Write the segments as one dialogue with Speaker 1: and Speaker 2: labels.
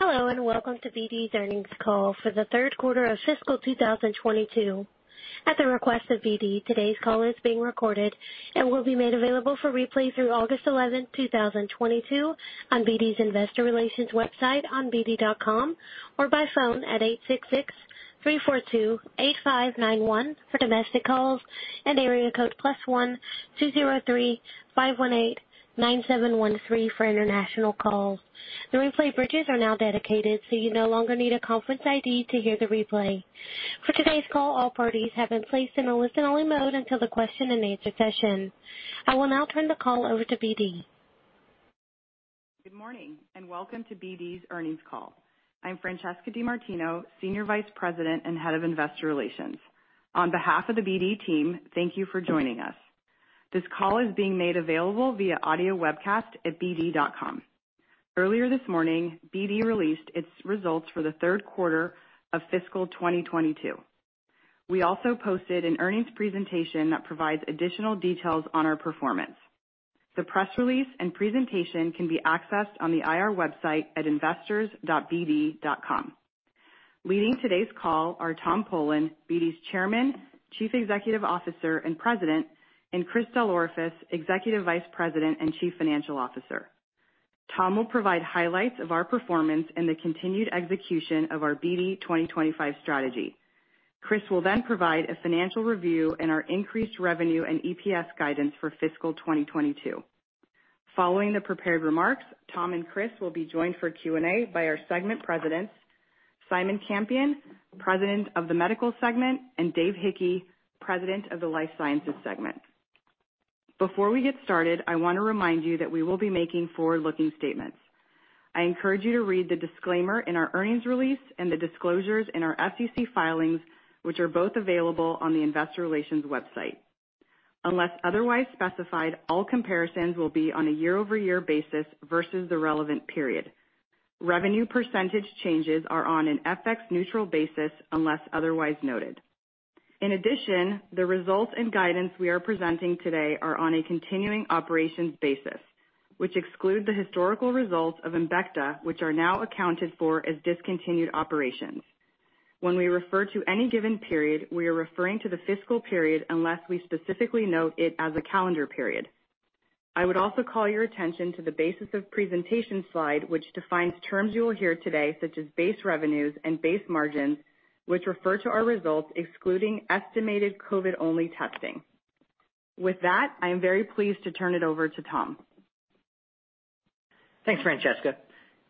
Speaker 1: Hello, and welcome to BD's earnings call for the third quarter of fiscal 2022. At the request of BD, today's call is being recorded and will be made available for replay through August 11th, 2022 on BD's investor relations website on bd.com, or by phone at 866-342-8591 for domestic calls and area code +1-203-518-9713 for international calls. The replay bridges are now dedicated, so you no longer need a conference ID to hear the replay. For today's call, all parties have been placed in a listen-only mode until the question and answer session. I will now turn the call over to BD.
Speaker 2: Good morning, and welcome to BD's earnings call. I'm Francesca DeMartino, Senior Vice President and Head of Investor Relations. On behalf of the BD team, thank you for joining us. This call is being made available via audio webcast at bd.com. Earlier this morning, BD released its results for the third quarter of fiscal 2022. We also posted an earnings presentation that provides additional details on our performance. The press release and presentation can be accessed on the IR website at investors.bd.com. Leading today's call are Tom Polen, BD's Chairman, Chief Executive Officer, and President, and Chris DelOrefice, Executive Vice President and Chief Financial Officer. Tom will provide highlights of our performance and the continued execution of our BD 2025 strategy. Chris will then provide a financial review and our increased revenue and EPS guidance for fiscal 2022. Following the prepared remarks, Tom and Chris will be joined for Q&A by our segment presidents, Simon Campion, President of the Medical Segment, and Dave Hickey, President of the Life Sciences Segment. Before we get started, I wanna remind you that we will be making forward-looking statements. I encourage you to read the disclaimer in our earnings release and the disclosures in our SEC filings, which are both available on the investor relations website. Unless otherwise specified, all comparisons will be on a year-over-year basis versus the relevant period. Revenue percentage changes are on an FX neutral basis unless otherwise noted. In addition, the results and guidance we are presenting today are on a continuing operations basis, which exclude the historical results of Embecta, which are now accounted for as discontinued operations. When we refer to any given period, we are referring to the fiscal period unless we specifically note it as a calendar period. I would also call your attention to the basis of presentation slide, which defines terms you will hear today, such as base revenues and base margins, which refer to our results excluding estimated COVID-only testing. With that, I am very pleased to turn it over to Tom.
Speaker 3: Thanks, Francesca.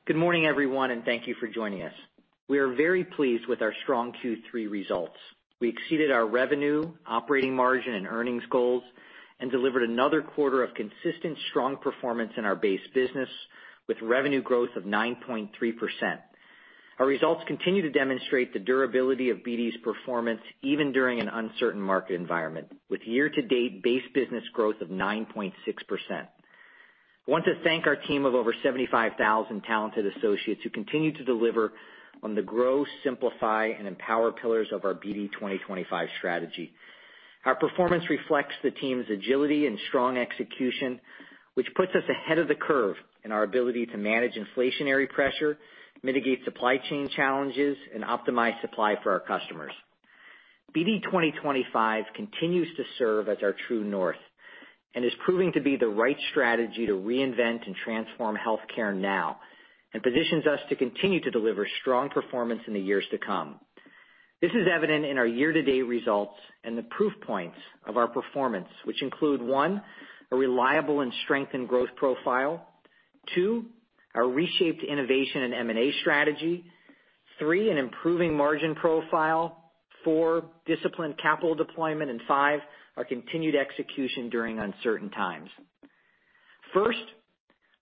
Speaker 3: Good morning, everyone, and thank you for joining us. We are very pleased with our strong Q3 results. We exceeded our revenue, operating margin, and earnings goals and delivered another quarter of consistent strong performance in our base business with revenue growth of 9.3%. Our results continue to demonstrate the durability of BD's performance even during an uncertain market environment, with year-to-date base business growth of 9.6%. I want to thank our team of over 75,000 talented associates who continue to deliver on the growth, simplify, and empower pillars of our BD 2025 strategy. Our performance reflects the team's agility and strong execution, which puts us ahead of the curve in our ability to manage inflationary pressure, mitigate supply chain challenges, and optimize supply for our customers. BD 2025 continues to serve as our true north and is proving to be the right strategy to reinvent and transform healthcare now and positions us to continue to deliver strong performance in the years to come. This is evident in our year-to-date results and the proof points of our performance, which include, one, a reliable and strengthened growth profile. Two, our reshaped innovation and M&A strategy. Three, an improving margin profile. Four, disciplined capital deployment. And five, our continued execution during uncertain times. First,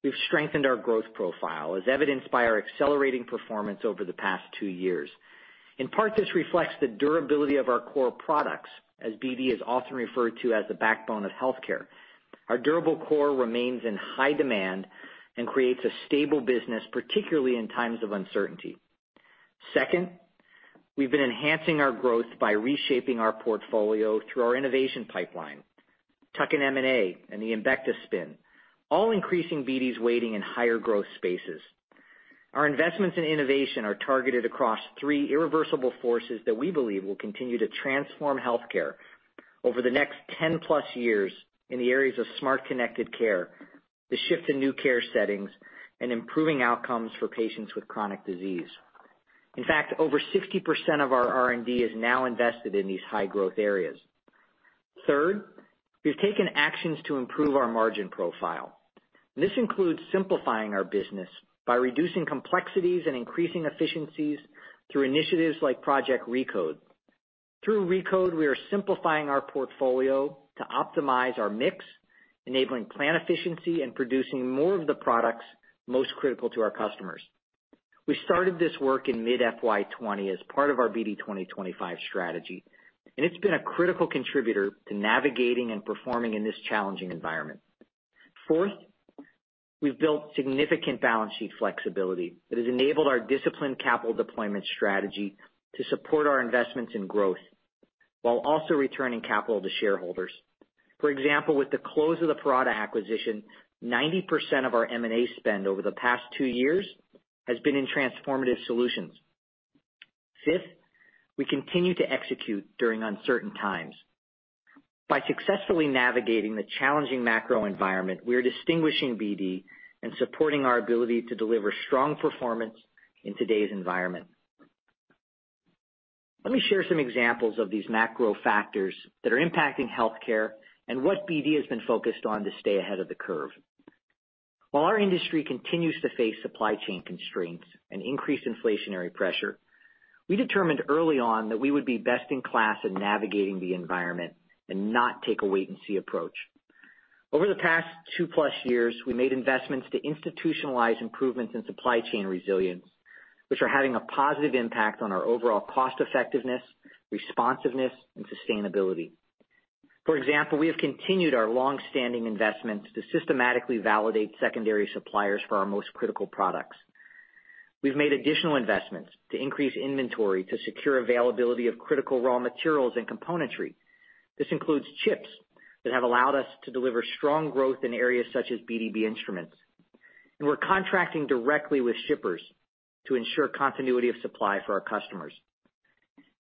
Speaker 3: we've strengthened our growth profile, as evidenced by our accelerating performance over the past two years. In part, this reflects the durability of our core products, as BD is often referred to as the backbone of healthcare. Our durable core remains in high demand and creates a stable business, particularly in times of uncertainty. Second, we've been enhancing our growth by reshaping our portfolio through our innovation pipeline, tuck-in M&A, and the Embecta spin, all increasing BD's weighting in higher growth spaces. Our investments in innovation are targeted across three irreversible forces that we believe will continue to transform healthcare over the next 10+ years in the areas of smart connected care, the shift in new care settings, and improving outcomes for patients with chronic disease. In fact, over 60% of our R&D is now invested in these high-growth areas. Third, we've taken actions to improve our margin profile. This includes simplifying our business by reducing complexities and increasing efficiencies through initiatives like Project RECODE. Through RECODE, we are simplifying our portfolio to optimize our mix, enabling plan efficiency and producing more of the products most critical to our customers. We started this work in mid FY 2020 as part of our BD 2025 strategy, and it's been a critical contributor to navigating and performing in this challenging environment. Fourth, we've built significant balance sheet flexibility that has enabled our disciplined capital deployment strategy to support our investments in growth. While also returning capital to shareholders. For example, with the close of the Parata acquisition, 90% of our M&A spend over the past two years has been in transformative solutions. Fifth, we continue to execute during uncertain times. By successfully navigating the challenging macro environment, we are distinguishing BD and supporting our ability to deliver strong performance in today's environment. Let me share some examples of these macro factors that are impacting healthcare and what BD has been focused on to stay ahead of the curve. While our industry continues to face supply chain constraints and increased inflationary pressure, we determined early on that we would be best in class in navigating the environment and not take a wait and see approach. Over the past 2+ years, we made investments to institutionalize improvements in supply chain resilience, which are having a positive impact on our overall cost effectiveness, responsiveness, and sustainability. For example, we have continued our long-standing investments to systematically validate secondary suppliers for our most critical products. We've made additional investments to increase inventory to secure availability of critical raw materials and componentry. This includes chips that have allowed us to deliver strong growth in areas such as BDB instruments. We're contracting directly with shippers to ensure continuity of supply for our customers.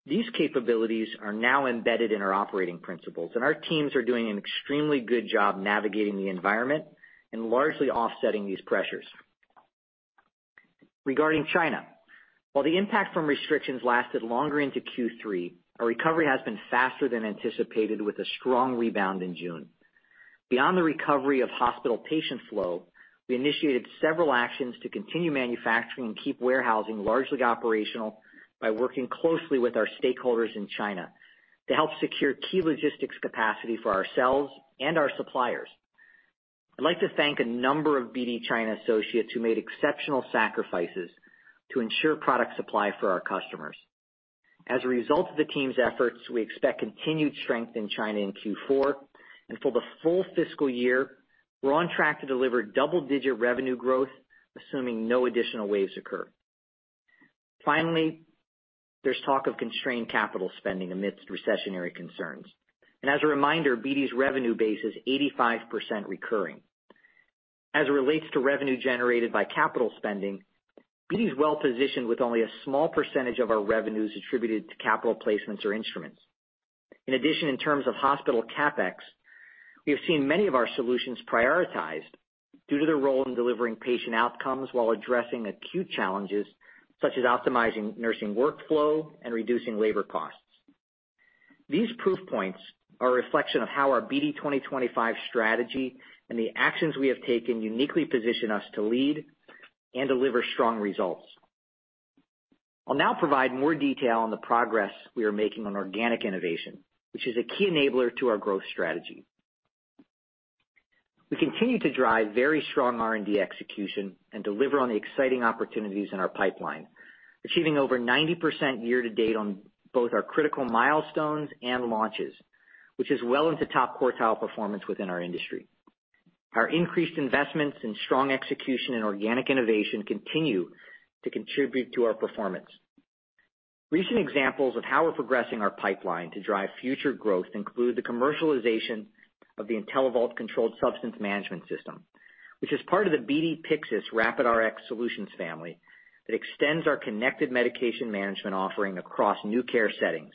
Speaker 3: These capabilities are now embedded in our operating principles, and our teams are doing an extremely good job navigating the environment and largely offsetting these pressures. Regarding China, while the impact from restrictions lasted longer into Q3, our recovery has been faster than anticipated with a strong rebound in June. Beyond the recovery of hospital patient flow, we initiated several actions to continue manufacturing and keep warehousing largely operational by working closely with our stakeholders in China to help secure key logistics capacity for ourselves and our suppliers. I'd like to thank a number of BD China associates who made exceptional sacrifices to ensure product supply for our customers. As a result of the team's efforts, we expect continued strength in China in Q4. For the full fiscal year, we're on track to deliver double-digit revenue growth, assuming no additional waves occur. Finally, there's talk of constrained capital spending amidst recessionary concerns. As a reminder, BD's revenue base is 85% recurring. As it relates to revenue generated by capital spending, BD is well-positioned with only a small percentage of our revenues attributed to capital placements or instruments. In addition, in terms of hospital CapEx, we have seen many of our solutions prioritized due to their role in delivering patient outcomes while addressing acute challenges such as optimizing nursing workflow and reducing labor costs. These proof points are a reflection of how our BD 2025 strategy and the actions we have taken uniquely position us to lead and deliver strong results. I'll now provide more detail on the progress we are making on organic innovation, which is a key enabler to our growth strategy. We continue to drive very strong R&D execution and deliver on the exciting opportunities in our pipeline, achieving over 90% year to date on both our critical milestones and launches, which is well into top quartile performance within our industry. Our increased investments and strong execution in organic innovation continue to contribute to our performance. Recent examples of how we're progressing our pipeline to drive future growth include the commercialization of the IntelliVault Controlled Substance Management System, which is part of the BD Pyxis RapidRx solutions family that extends our connected medication management offering across new care settings.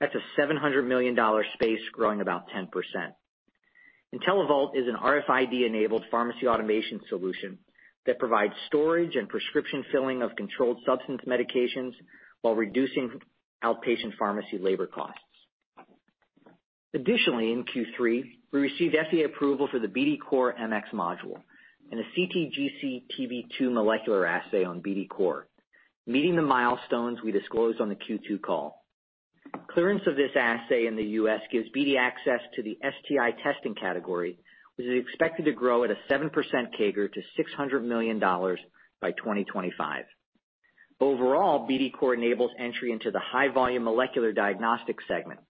Speaker 3: That's a $700 million space growing about 10%. IntelliVault is an RFID-enabled pharmacy automation solution that provides storage and prescription filling of controlled substance medications while reducing outpatient pharmacy labor costs. Additionally, in Q3, we received FDA approval for the BD COR MX module and a BD CTGCTV2 molecular assay on BD COR, meeting the milestones we disclosed on the Q2 call. Clearance of this assay in the U.S. gives BD access to the STI testing category, which is expected to grow at a 7% CAGR to $600 million by 2025. Overall, BD COR enables entry into the high volume molecular diagnostics segment, which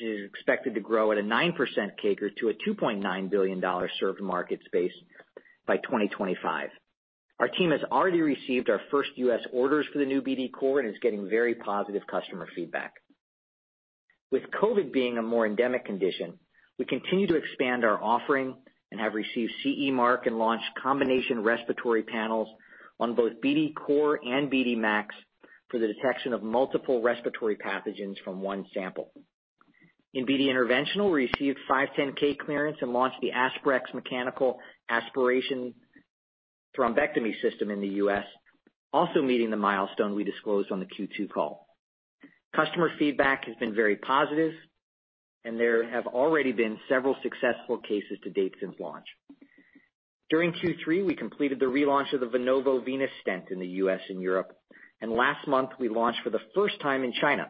Speaker 3: is expected to grow at a 9% CAGR to a $2.9 billion served market space by 2025. Our team has already received our first U.S. orders for the new BD COR and is getting very positive customer feedback. With COVID being a more endemic condition, we continue to expand our offering and have received CE mark and launched combination respiratory panels on both BD COR and BD MAX for the detection of multiple respiratory pathogens from one sample. In BD Interventional, we received 510(k) clearance and launched the Aspirex mechanical aspiration thrombectomy system in the U.S., also meeting the milestone we disclosed on the Q2 call. Customer feedback has been very positive and there have already been several successful cases to date since launch. During Q3, we completed the relaunch of the Venovo venous stent in the U.S. And Europe. Last month, we launched for the first time in China.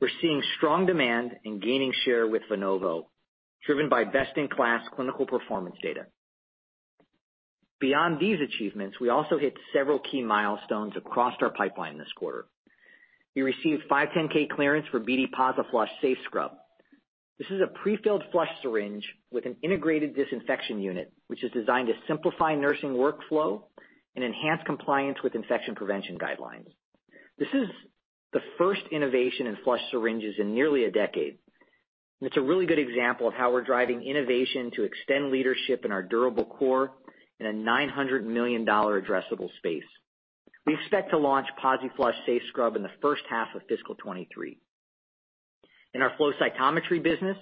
Speaker 3: We're seeing strong demand and gaining share with Venovo, driven by best-in-class clinical performance data. Beyond these achievements, we also hit several key milestones across our pipeline this quarter. We received 510(k) clearance for BD PosiFlush SafeScrub. This is a prefilled flush syringe with an integrated disinfection unit, which is designed to simplify nursing workflow and enhance compliance with infection prevention guidelines. This is the first innovation in flush syringes in nearly a decade. It's a really good example of how we're driving innovation to extend leadership in our durable core in a $900 million addressable space. We expect to launch PosiFlush SafeScrub in the first half of fiscal 2023. In our flow cytometry business,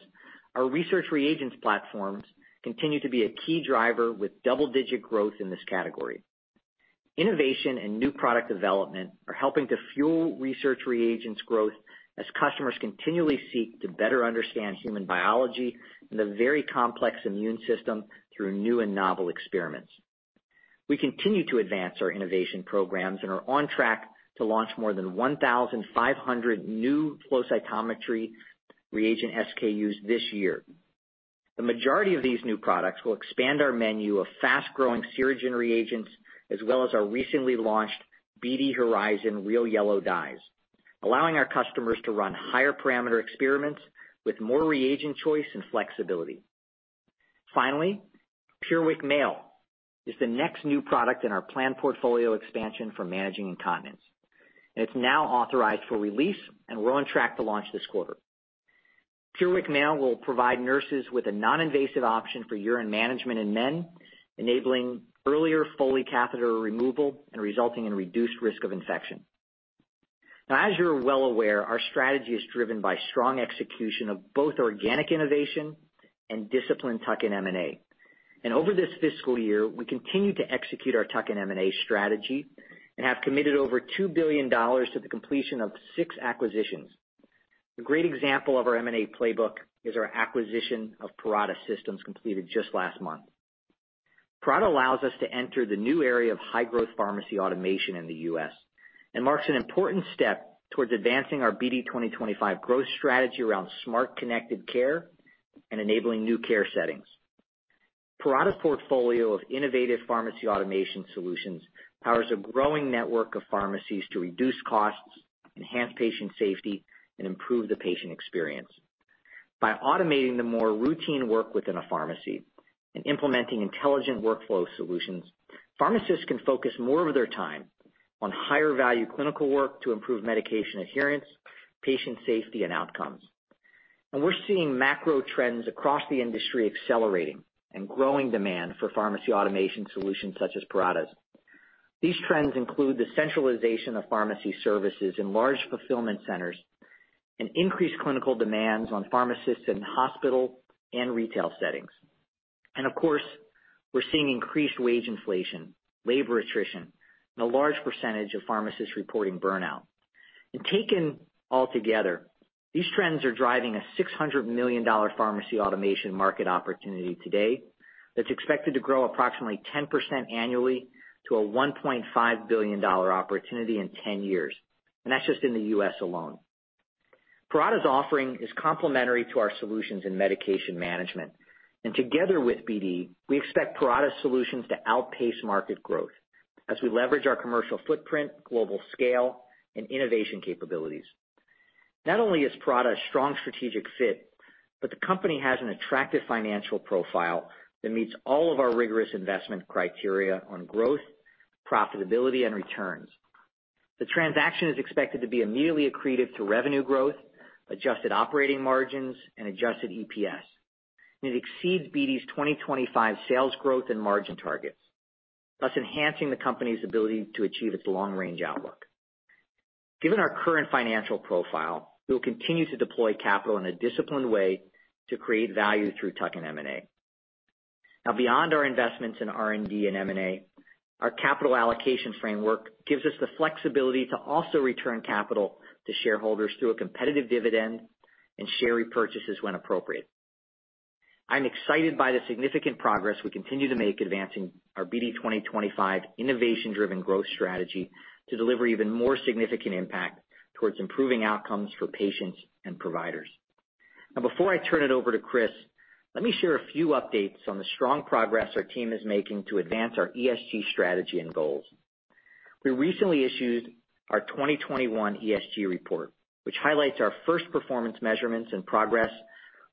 Speaker 3: our research reagents platforms continue to be a key driver with double-digit growth in this category. Innovation and new product development are helping to fuel research reagents growth as customers continually seek to better understand human biology and the very complex immune system through new and novel experiments. We continue to advance our innovation programs and are on track to launch more than 1,500 new flow cytometry reagent SKUs this year. The majority of these new products will expand our menu of fast-growing Sirigen reagents, as well as our recently launched BD Horizon RealYellow Dyes, allowing our customers to run higher parameter experiments with more reagent choice and flexibility. Finally, PureWick Male is the next new product in our planned portfolio expansion for managing incontinence. It's now authorized for release, and we're on track to launch this quarter. PureWick Male will provide nurses with a non-invasive option for urine management in men, enabling earlier Foley catheter removal and resulting in reduced risk of infection. Now, as you're well aware, our strategy is driven by strong execution of both organic innovation and disciplined tuck-in M&A. Over this fiscal year, we continue to execute our tuck-in M&A strategy and have committed over $2 billion to the completion of six acquisitions. A great example of our M&A playbook is our acquisition of Parata Systems, completed just last month. Parata allows us to enter the new area of high-growth pharmacy automation in the U.S. and marks an important step towards advancing our BD 2025 growth strategy around smart connected care and enabling new care settings. Parata's portfolio of innovative pharmacy automation solutions powers a growing network of pharmacies to reduce costs, enhance patient safety, and improve the patient experience. By automating the more routine work within a pharmacy and implementing intelligent workflow solutions, pharmacists can focus more of their time on higher value clinical work to improve medication adherence, patient safety, and outcomes. We're seeing macro trends across the industry accelerating and growing demand for pharmacy automation solutions such as Parata's. These trends include the centralization of pharmacy services in large fulfillment centers and increased clinical demands on pharmacists in hospital and retail settings. Of course, we're seeing increased wage inflation, labor attrition, and a large percentage of pharmacists reporting burnout. Taken altogether, these trends are driving a $600 million pharmacy automation market opportunity today that's expected to grow approximately 10% annually to a $1.5 billion opportunity in 10 years. That's just in the U.S. alone. Parata's offering is complementary to our solutions in medication management. Together with BD, we expect Parata's solutions to outpace market growth as we leverage our commercial footprint, global scale, and innovation capabilities. Not only is Parata a strong strategic fit, but the company has an attractive financial profile that meets all of our rigorous investment criteria on growth, profitability, and returns. The transaction is expected to be immediately accretive to revenue growth, adjusted operating margins, and adjusted EPS. It exceeds BD's 2025 sales growth and margin targets, thus enhancing the company's ability to achieve its long-range outlook. Given our current financial profile, we will continue to deploy capital in a disciplined way to create value through tuck-in M&A. Now, beyond our investments in R&D and M&A, our capital allocation framework gives us the flexibility to also return capital to shareholders through a competitive dividend and share repurchases when appropriate. I'm excited by the significant progress we continue to make advancing our BD 2025 innovation-driven growth strategy to deliver even more significant impact towards improving outcomes for patients and providers. Now, before I turn it over to Chris, let me share a few updates on the strong progress our team is making to advance our ESG strategy and goals. We recently issued our 2021 ESG report, which highlights our first performance measurements and progress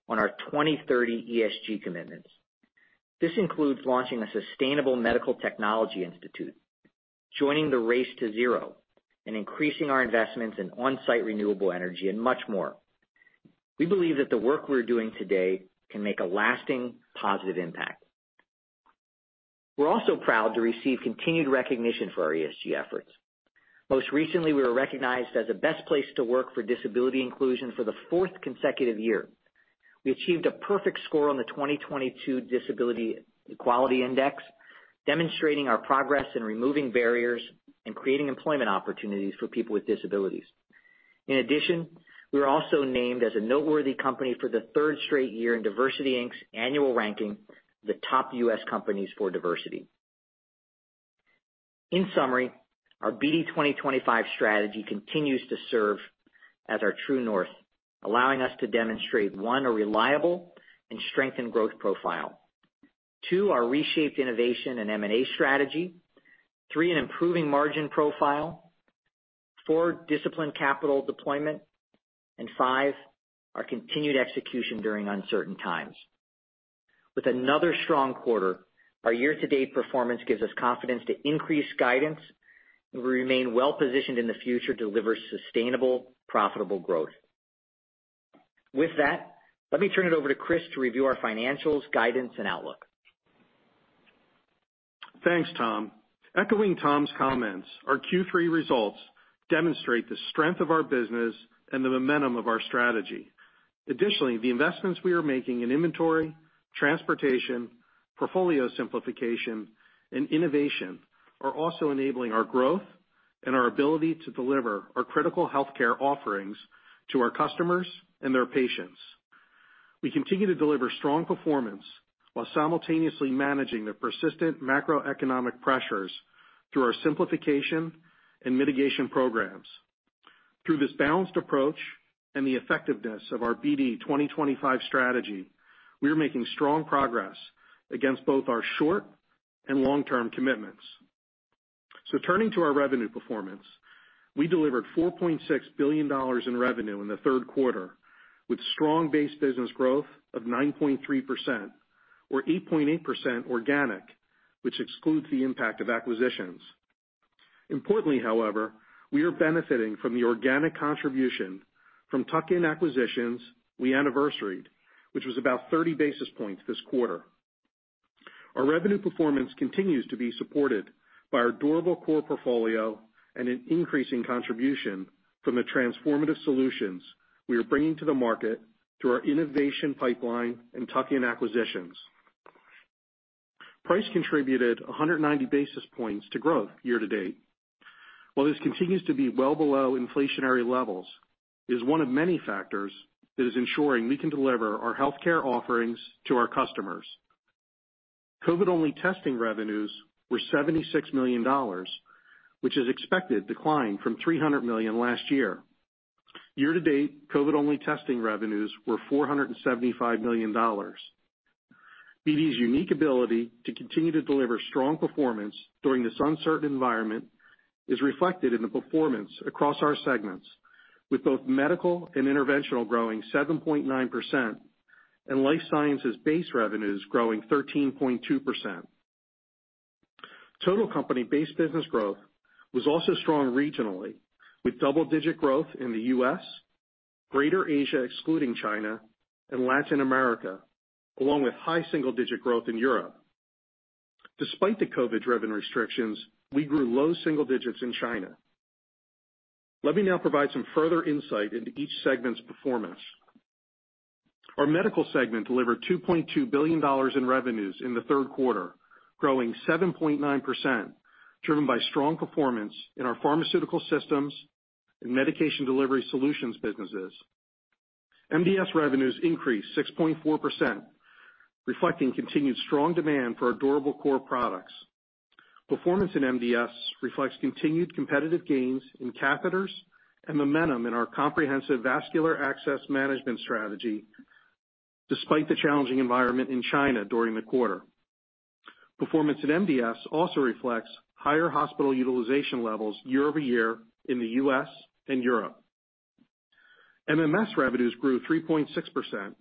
Speaker 3: on our 2030 ESG commitments. This includes launching a sustainable medical technology institute, joining the Race to Zero, and increasing our investments in on-site renewable energy and much more. We believe that the work we're doing today can make a lasting positive impact. We're also proud to receive continued recognition for our ESG efforts. Most recently, we were recognized as a best place to work for disability inclusion for the fourth consecutive year. We achieved a perfect score on the 2022 Disability Equality Index, demonstrating our progress in removing barriers and creating employment opportunities for people with disabilities. In addition, we were also named as a noteworthy company for the third straight year in DiversityInc's annual ranking, the top U.S. companies for diversity. In summary, our BD 2025 strategy continues to serve as our true north, allowing us to demonstrate, one, a reliable and strengthened growth profile. Two, our reshaped innovation and M&A strategy. Three, an improving margin profile. Four, disciplined capital deployment. And five, our continued execution during uncertain times. With another strong quarter, our year-to-date performance gives us confidence to increase guidance, and we remain well-positioned in the future to deliver sustainable, profitable growth. With that, let me turn it over to Chris to review our financials, guidance, and outlook.
Speaker 4: Thanks, Tom. Echoing Tom's comments, our Q3 results demonstrate the strength of our business and the momentum of our strategy. Additionally, the investments we are making in inventory, transportation, portfolio simplification, and innovation are also enabling our growth and our ability to deliver our critical healthcare offerings to our customers and their patients. We continue to deliver strong performance while simultaneously managing the persistent macroeconomic pressures through our simplification and mitigation programs. Through this balanced approach and the effectiveness of our BD 2025 strategy, we are making strong progress against both our short- and long-term commitments. Turning to our revenue performance, we delivered $4.6 billion in revenue in the third quarter, with strong base business growth of 9.3% or 8.8% organic, which excludes the impact of acquisitions. Importantly, however, we are benefiting from the organic contribution from tuck-in acquisitions we anniversaried, which was about 30 basis points this quarter. Our revenue performance continues to be supported by our durable core portfolio and an increasing contribution from the transformative solutions we are bringing to the market through our innovation pipeline and tuck-in acquisitions. Price contributed 190 basis points to growth year-to-date. While this continues to be well below inflationary levels, it is one of many factors that is ensuring we can deliver our healthcare offerings to our customers. COVID-only testing revenues were $76 million, which is an expected decline from $300 million last year. Year-to-date, COVID-only testing revenues were $475 million. BD's unique ability to continue to deliver strong performance during this uncertain environment is reflected in the performance across our segments, with both medical and interventional growing 7.9% and life sciences base revenues growing 13.2%. Total company base business growth was also strong regionally, with double-digit growth in the U.S., Greater Asia, excluding China and Latin America, along with high single-digit growth in Europe. Despite the COVID-driven restrictions, we grew low single digits in China. Let me now provide some further insight into each segment's performance. Our medical segment delivered $2.2 billion in revenues in the third quarter, growing 7.9%, driven by strong performance in our pharmaceutical systems and medication delivery solutions businesses. MDS revenues increased 6.4%, reflecting continued strong demand for our durable core products. Performance in MDS reflects continued competitive gains in catheters and momentum in our comprehensive vascular access management strategy, despite the challenging environment in China during the quarter. Performance in MDS also reflects higher hospital utilization levels year-over-year in the U.S. and Europe. MMS revenues grew 3.6%.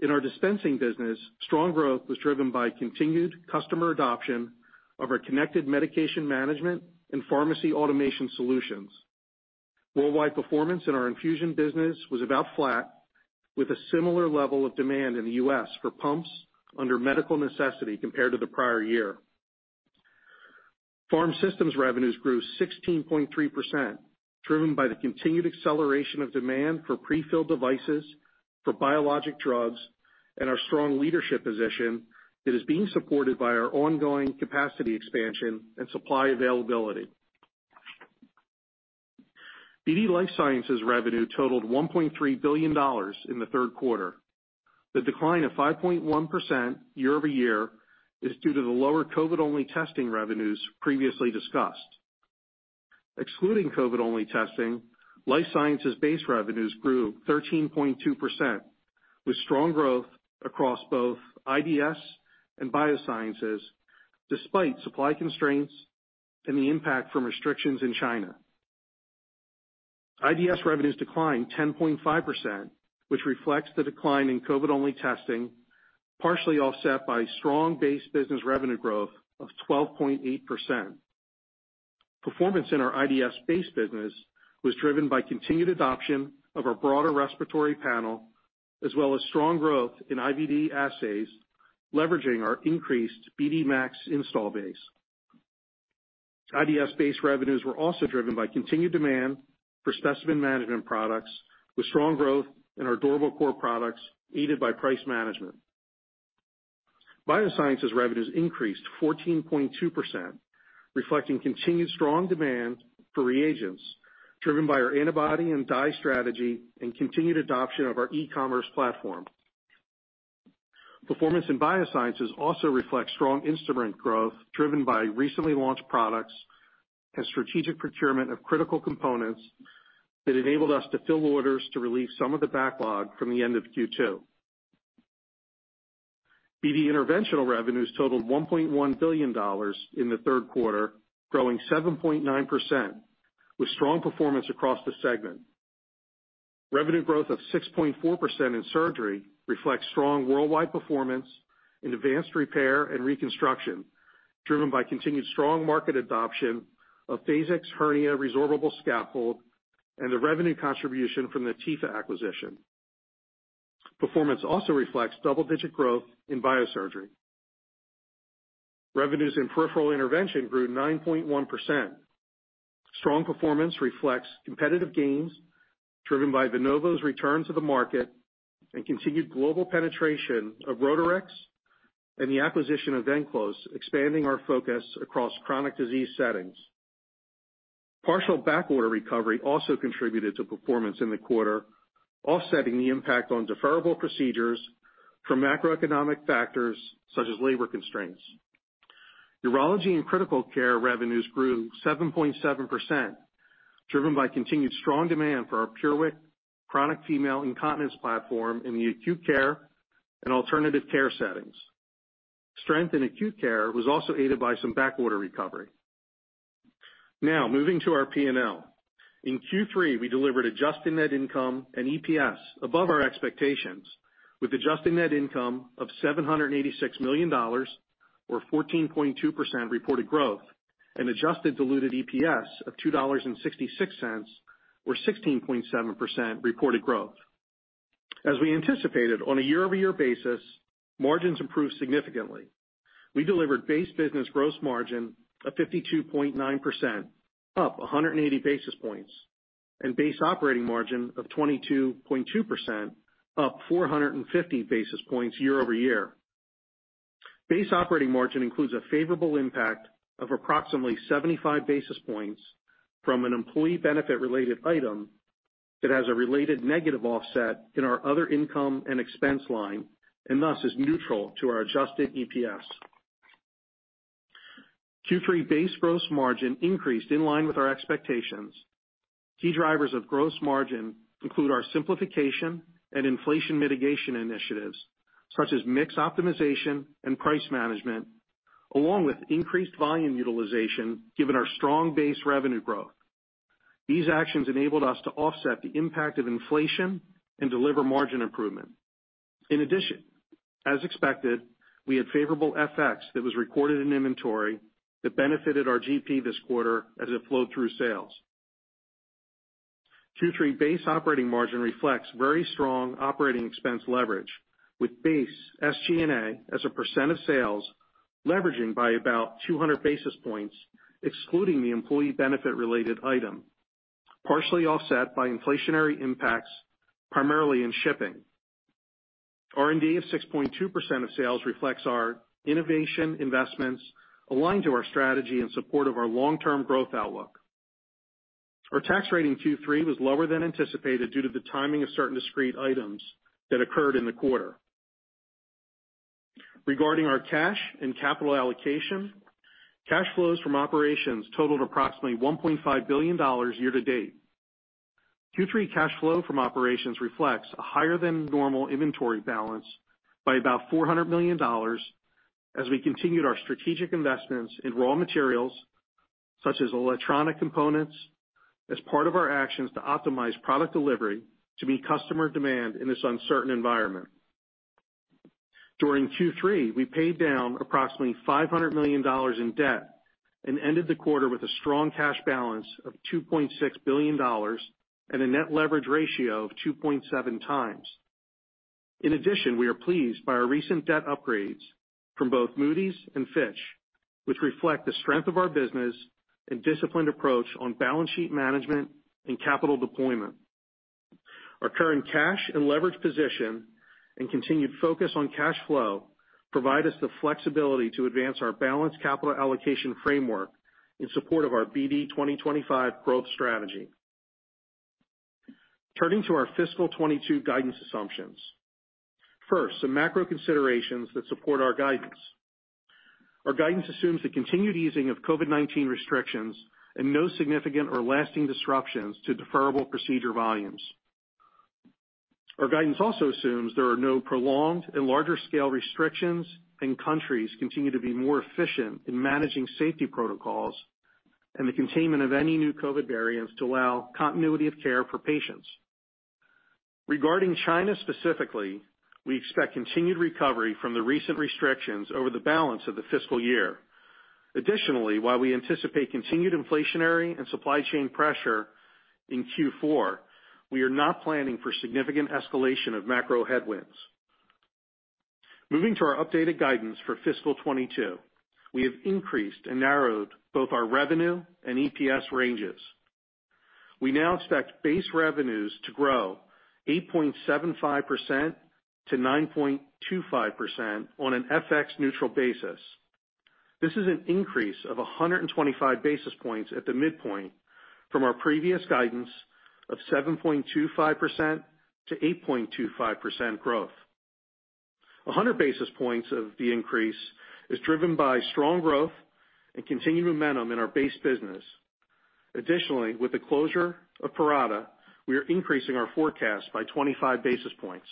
Speaker 4: In our dispensing business, strong growth was driven by continued customer adoption of our connected medication management and pharmacy automation solutions. Worldwide performance in our infusion business was about flat, with a similar level of demand in the U.S. for pumps under medical necessity compared to the prior year. Pharm Systems revenues grew 16.3%, driven by the continued acceleration of demand for prefilled devices for biologic drugs and our strong leadership position that is being supported by our ongoing capacity expansion and supply availability. BD Life Sciences revenue totaled $1.3 billion in the third quarter. The decline of 5.1% year-over-year is due to the lower COVID-only testing revenues previously discussed. Excluding COVID-only testing, Life Sciences base revenues grew 13.2%, with strong growth across both IDS and Biosciences, despite supply constraints and the impact from restrictions in China. IDS revenues declined 10.5%, which reflects the decline in COVID-only testing, partially offset by strong base business revenue growth of 12.8%. Performance in our IDS base business was driven by continued adoption of our broader respiratory panel, as well as strong growth in IVD assays, leveraging our increased BD MAX install base. IDS base revenues were also driven by continued demand for specimen management products, with strong growth in our durable core products, aided by price management. Biosciences revenues increased 14.2%, reflecting continued strong demand for reagents driven by our antibody and dye strategy and continued adoption of our e-commerce platform. Performance in Biosciences also reflects strong instrument growth driven by recently launched products and strategic procurement of critical components that enabled us to fill orders to relieve some of the backlog from the end of Q2. BD Interventional revenues totaled $1.1 billion in the third quarter, growing 7.9% with strong performance across the segment. Revenue growth of 6.4% in surgery reflects strong worldwide performance in advanced repair and reconstruction, driven by continued strong market adoption of Phasix hernia resorbable scaffold and the revenue contribution from the Tepha acquisition. Performance also reflects double-digit growth in biosurgery. Revenues in peripheral intervention grew 9.1%. Strong performance reflects competitive gains driven by Venovo's return to the market and continued global penetration of Rotarex and the acquisition of Venclose, expanding our focus across chronic disease settings. Partial backorder recovery also contributed to performance in the quarter, offsetting the impact on deferrable procedures from macroeconomic factors such as labor constraints. Urology and critical care revenues grew 7.7%, driven by continued strong demand for our PureWick chronic female incontinence platform in the acute care and alternative care settings. Strength in acute care was also aided by some backorder recovery. Now moving to our P&L. In Q3, we delivered adjusted net income and EPS above our expectations with adjusted net income of $786 million or 14.2% reported growth and adjusted diluted EPS of $2.66 or 16.7% reported growth. As we anticipated on a year-over-year basis, margins improved significantly. We delivered base business gross margin of 52.9%, up 180 basis points, and base operating margin of 22.2%, up 450 basis points year-over-year. Base operating margin includes a favorable impact of approximately 75 basis points from an employee benefit related item that has a related negative offset in our other income and expense line, and thus is neutral to our adjusted EPS. Q3 base gross margin increased in line with our expectations. Key drivers of gross margin include our simplification and inflation mitigation initiatives, such as mix optimization and price management, along with increased volume utilization given our strong base revenue growth. These actions enabled us to offset the impact of inflation and deliver margin improvement. In addition, as expected, we had favorable FX that was recorded in inventory that benefited our GP this quarter as it flowed through sales. Q3 base operating margin reflects very strong operating expense leverage with base SG&A as a percent of sales leveraging by about 200 basis points, excluding the employee benefit related item, partially offset by inflationary impacts, primarily in shipping. R&D of 6.2% of sales reflects our innovation investments aligned to our strategy in support of our long-term growth outlook. Our tax rate in Q3 was lower than anticipated due to the timing of certain discrete items that occurred in the quarter. Regarding our cash and capital allocation, cash flows from operations totaled approximately $1.5 billion year to date. Q3 cash flow from operations reflects a higher than normal inventory balance by about $400 million as we continued our strategic investments in raw materials such as electronic components as part of our actions to optimize product delivery to meet customer demand in this uncertain environment. During Q3, we paid down approximately $500 million in debt and ended the quarter with a strong cash balance of $2.6 billion and a net leverage ratio of 2.7x. In addition, we are pleased by our recent debt upgrades from both Moody's and Fitch Ratings, which reflect the strength of our business and disciplined approach on balance sheet management and capital deployment. Our current cash and leverage position and continued focus on cash flow provide us the flexibility to advance our balanced capital allocation framework in support of our BD 2025 growth strategy. Turning to our fiscal 2022 guidance assumptions. First, some macro considerations that support our guidance. Our guidance assumes the continued easing of COVID-19 restrictions and no significant or lasting disruptions to deferrable procedure volumes. Our guidance also assumes there are no prolonged and larger scale restrictions, and countries continue to be more efficient in managing safety protocols and the containment of any new COVID variants to allow continuity of care for patients. Regarding China specifically, we expect continued recovery from the recent restrictions over the balance of the fiscal year. Additionally, while we anticipate continued inflationary and supply chain pressure in Q4, we are not planning for significant escalation of macro headwinds. Moving to our updated guidance for fiscal 2022. We have increased and narrowed both our revenue and EPS ranges. We now expect base revenues to grow 8.75%-9.25% on an FX neutral basis. This is an increase of 125 basis points at the midpoint from our previous guidance of 7.25%-8.25% growth. 100 basis points of the increase is driven by strong growth and continued momentum in our base business. Additionally, with the closure of Parata, we are increasing our forecast by 25 basis points.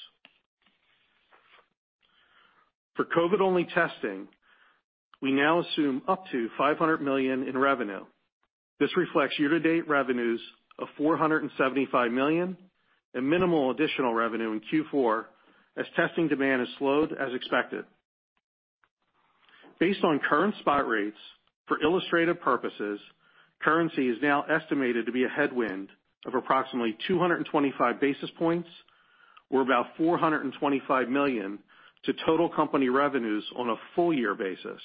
Speaker 4: For COVID-only testing, we now assume up to $500 million in revenue. This reflects year-to-date revenues of $475 million and minimal additional revenue in Q4 as testing demand has slowed as expected. Based on current spot rates for illustrative purposes, currency is now estimated to be a headwind of approximately 225 basis points or about $425 million to total company revenues on a full year basis.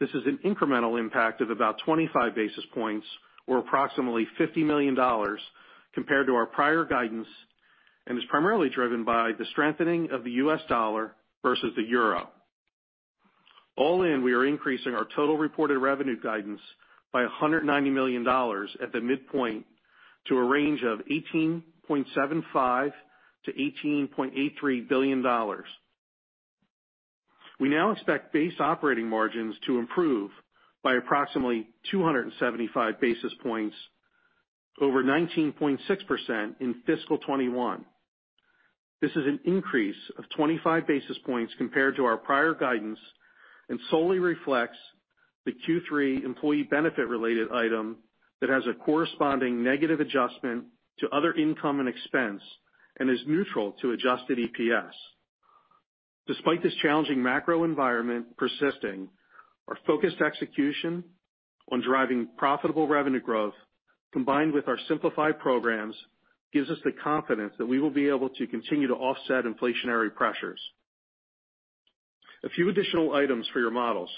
Speaker 4: This is an incremental impact of about 25 basis points or approximately $50 million compared to our prior guidance, and is primarily driven by the strengthening of the U.S. dollar versus the euro. All in, we are increasing our total reported revenue guidance by $190 million at the midpoint to a range of $18.75 billion-$18.83 billion. We now expect base operating margins to improve by approximately 275 basis points over 19.6% in fiscal 2021. This is an increase of 25 basis points compared to our prior guidance, and solely reflects the Q3 employee benefit related item that has a corresponding negative adjustment to other income and expense and is neutral to adjusted EPS. Despite this challenging macro environment persisting, our focused execution on driving profitable revenue growth, combined with our simplified programs, gives us the confidence that we will be able to continue to offset inflationary pressures. A few additional items for your models.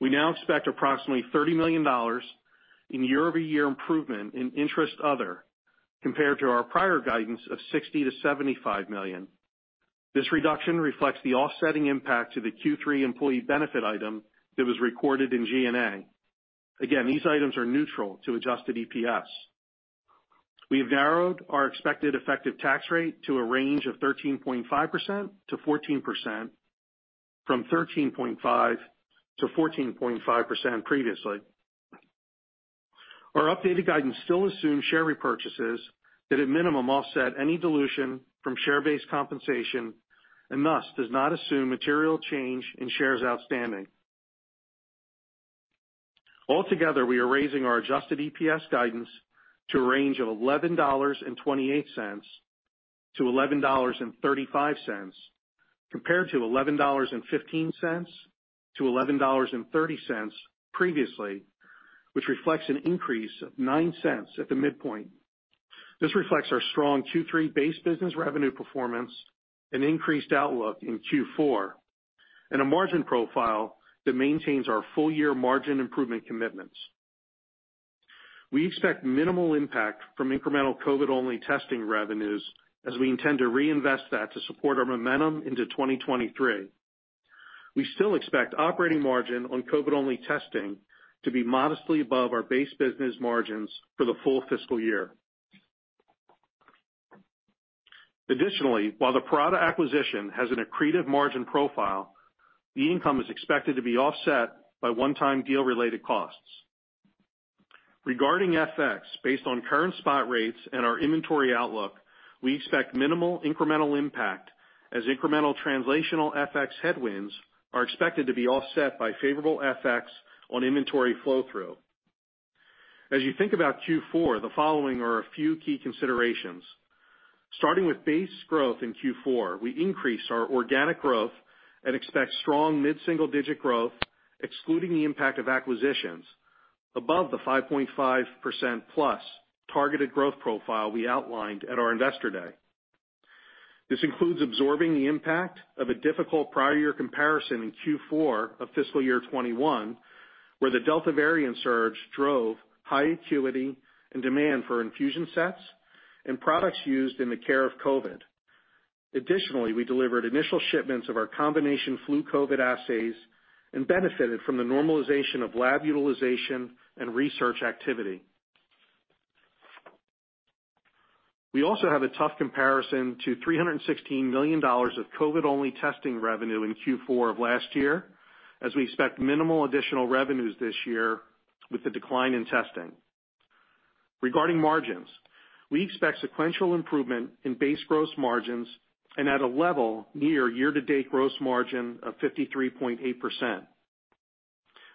Speaker 4: We now expect approximately $30 million in year-over-year improvement in interest and other, compared to our prior guidance of $60 million-$75 million. This reduction reflects the offsetting impact to the Q3 employee benefit item that was recorded in G&A. Again, these items are neutral to adjusted EPS. We have narrowed our expected effective tax rate to a range of 13.5%-14%, from 13.5%-14.5% previously. Our updated guidance still assumes share repurchases that at minimum offset any dilution from share-based compensation, and thus does not assume material change in shares outstanding. Altogether, we are raising our adjusted EPS guidance to a range of $11.28-$11.35, compared to $11.15-$11.30 previously, which reflects an increase of $0.09 at the midpoint. This reflects our strong Q3 base business revenue performance and increased outlook in Q4, and a margin profile that maintains our full year margin improvement commitments. We expect minimal impact from incremental COVID-only testing revenues, as we intend to reinvest that to support our momentum into 2023. We still expect operating margin on COVID-only testing to be modestly above our base business margins for the full fiscal year. Additionally, while the Parata acquisition has an accretive margin profile, the income is expected to be offset by one-time deal related costs. Regarding FX, based on current spot rates and our inventory outlook, we expect minimal incremental impact, as incremental translational FX headwinds are expected to be offset by favorable FX on inventory flow through. As you think about Q4, the following are a few key considerations. Starting with base growth in Q4, we increased our organic growth and expect strong mid-single digit growth, excluding the impact of acquisitions above the 5.5%+ targeted growth profile we outlined at our Investor Day. This includes absorbing the impact of a difficult prior year comparison in Q4 of fiscal year 2021, where the Delta variant surge drove high acuity and demand for infusion sets and products used in the care of COVID. Additionally, we delivered initial shipments of our combination flu COVID assays and benefited from the normalization of lab utilization and research activity. We also have a tough comparison to $316 million of COVID-only testing revenue in Q4 of last year, as we expect minimal additional revenues this year with the decline in testing. Regarding margins, we expect sequential improvement in base gross margins and at a level near year-to-date gross margin of 53.8%.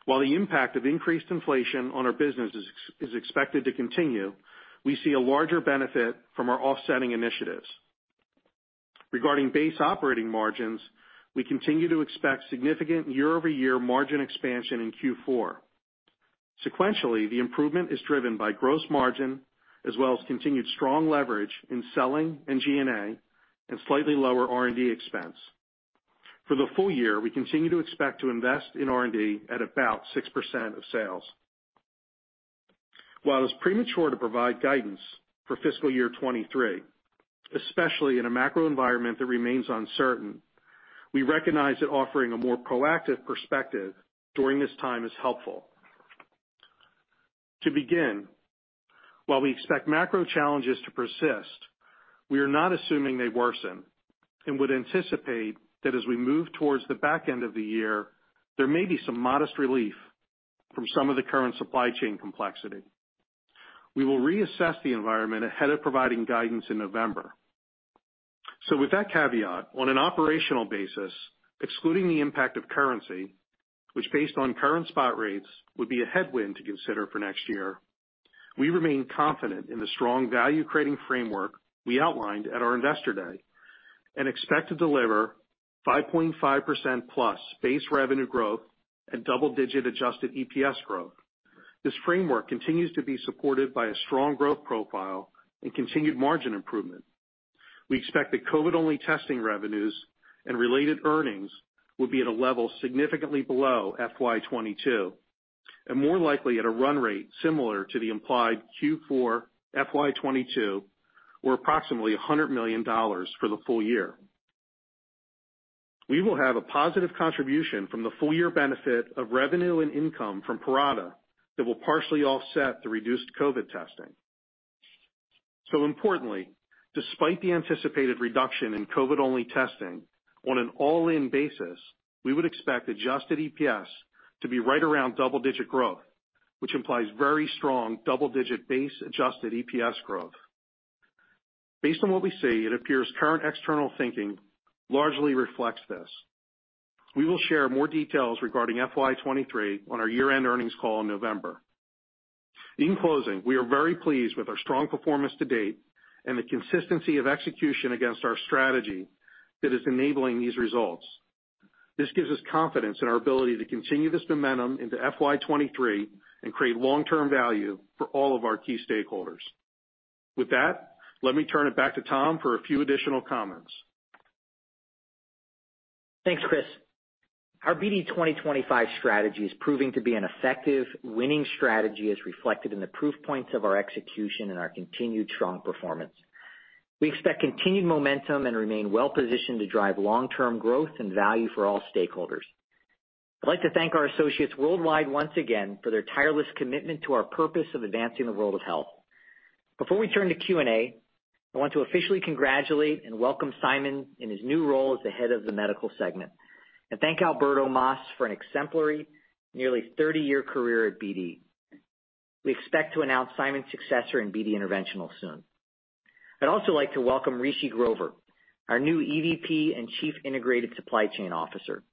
Speaker 4: While the impact of increased inflation on our business is expected to continue, we see a larger benefit from our offsetting initiatives. Regarding base operating margins, we continue to expect significant year-over-year margin expansion in Q4. Sequentially, the improvement is driven by gross margin as well as continued strong leverage in selling and G&A and slightly lower R&D expense. For the full year, we continue to expect to invest in R&D at about 6% of sales. While it's premature to provide guidance for fiscal year 2023, especially in a macro environment that remains uncertain, we recognize that offering a more proactive perspective during this time is helpful. While we expect macro challenges to persist, we are not assuming they worsen and would anticipate that as we move towards the back end of the year, there may be some modest relief from some of the current supply chain complexity. We will reassess the environment ahead of providing guidance in November. With that caveat, on an operational basis, excluding the impact of currency, which based on current spot rates would be a headwind to consider for next year, we remain confident in the strong value-creating framework we outlined at our Investor Day and expect to deliver 5.5%+ base revenue growth and double-digit adjusted EPS growth. This framework continues to be supported by a strong growth profile and continued margin improvement. We expect that COVID-only testing revenues and related earnings will be at a level significantly below FY 2022, and more likely at a run rate similar to the implied Q4 FY 2022 or approximately $100 million for the full year. We will have a positive contribution from the full year benefit of revenue and income from Parata that will partially offset the reduced COVID testing. Importantly, despite the anticipated reduction in COVID-only testing on an all-in basis, we would expect adjusted EPS to be right around double-digit growth, which implies very strong double-digit base adjusted EPS growth. Based on what we see, it appears current external thinking largely reflects this. We will share more details regarding FY 2023 on our year-end earnings call in November. In closing, we are very pleased with our strong performance to date and the consistency of execution against our strategy that is enabling these results. This gives us confidence in our ability to continue this momentum into FY 2023 and create long-term value for all of our key stakeholders. With that, let me turn it back to Tom for a few additional comments.
Speaker 3: Thanks, Chris. Our BD 2025 strategy is proving to be an effective winning strategy as reflected in the proof points of our execution and our continued strong performance. We expect continued momentum and remain well positioned to drive long-term growth and value for all stakeholders. I'd like to thank our associates worldwide once again for their tireless commitment to our purpose of advancing the world of health. Before we turn to Q&A, I want to officially congratulate and welcome Simon in his new role as the Head of the Medical segment. Thank Alberto Mas for an exemplary nearly 30-year career at BD. We expect to announce Simon's successor in BD Interventional soon. I'd also like to welcome Rishi Grover, our new EVP and Chief Integrated Supply Chain Officer.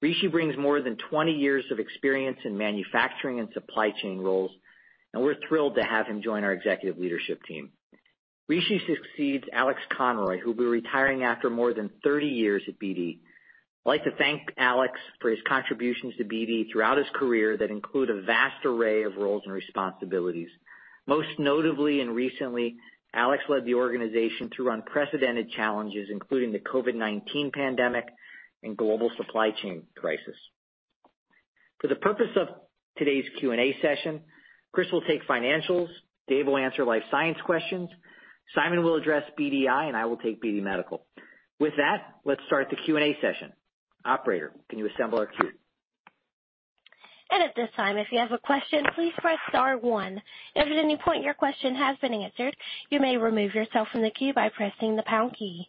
Speaker 3: Rishi brings more than 20 years of experience in manufacturing and supply chain roles, and we're thrilled to have him join our executive leadership team. Rishi succeeds Alexandre Conroy, who will be retiring after more than 30 years at BD. I'd like to thank Alex for his contributions to BD throughout his career that include a vast array of roles and responsibilities. Most notably and recently, Alex led the organization through unprecedented challenges, including the COVID-19 pandemic and global supply chain crisis. For the purpose of today's Q&A session, Chris will take financials, Dave will answer life science questions, Simon will address BDI, and I will take BD Medical. With that, let's start the Q&A session. Operator, can you assemble our queue?
Speaker 1: At this time, if you have a question, please press star one. If at any point your question has been answered, you may remove yourself from the queue by pressing the pound key.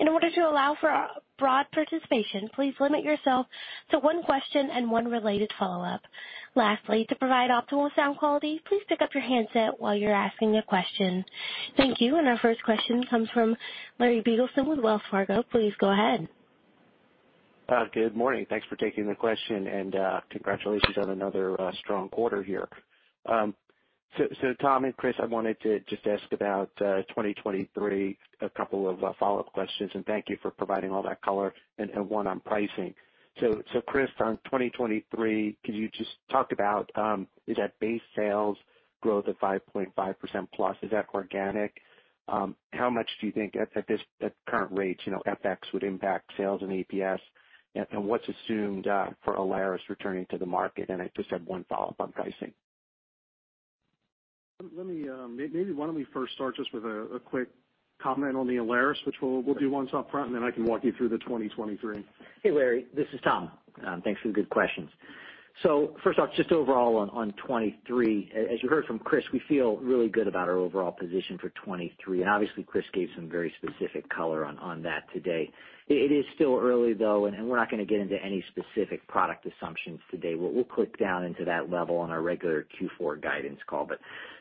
Speaker 1: In order to allow for broad participation, please limit yourself to one question and one related follow-up. Lastly, to provide optimal sound quality, please pick up your handset while you're asking a question. Thank you. Our first question comes from Larry Biegelsen with Wells Fargo. Please go ahead.
Speaker 5: Good morning. Thanks for taking the question and, congratulations on another strong quarter here. Tom and Chris, I wanted to just ask about 2023, a couple of follow-up questions, and thank you for providing all that color and one on pricing. Chris, on 2023, could you just talk about, is that base sales growth of 5.5%+, is that organic? How much do you think at current rates, you know, FX would impact sales and EPS? What's assumed for Alaris returning to the market? I just have one follow-up on pricing.
Speaker 4: Let me, maybe why don't we first start just with a quick comment on the Alaris, which we'll do once up front, and then I can walk you through the 2023.
Speaker 3: Hey, Larry, this is Tom. Thanks for the good questions. First off, just overall on 2023, as you heard from Chris, we feel really good about our overall position for 2023, and obviously, Chris gave some very specific color on that today. It is still early, though, and we're not gonna get into any specific product assumptions today. We'll click down into that level on our regular Q4 guidance call.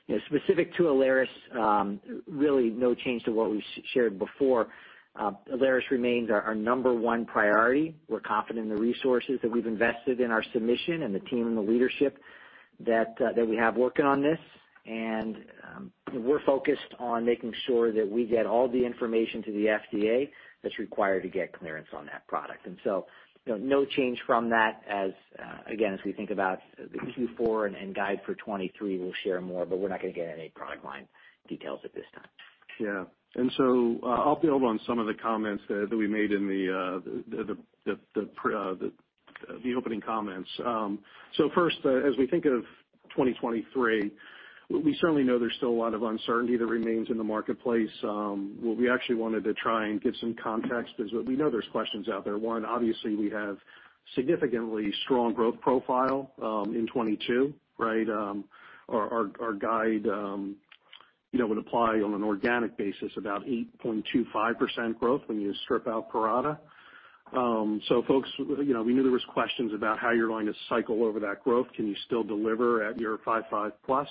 Speaker 3: You know, specific to Alaris, really no change to what we shared before. Alaris remains our number one priority. We're confident in the resources that we've invested in our submission and the team and the leadership that we have working on this. We're focused on making sure that we get all the information to the FDA that's required to get clearance on that product. You know, no change from that as again as we think about the Q4 and guide for 2023, we'll share more, but we're not gonna get any product line details at this time.
Speaker 4: I'll build on some of the comments that we made in the opening comments. As we think of 2023, we certainly know there's still a lot of uncertainty that remains in the marketplace. What we actually wanted to try and give some context is we know there's questions out there. One, obviously we have significantly strong growth profile in 2022, right? Our guide, you know, would apply on an organic basis about 8.25% growth when you strip out Parata. Folks, you know, we knew there was questions about how you're going to cycle over that growth. Can you still deliver at 5.5+?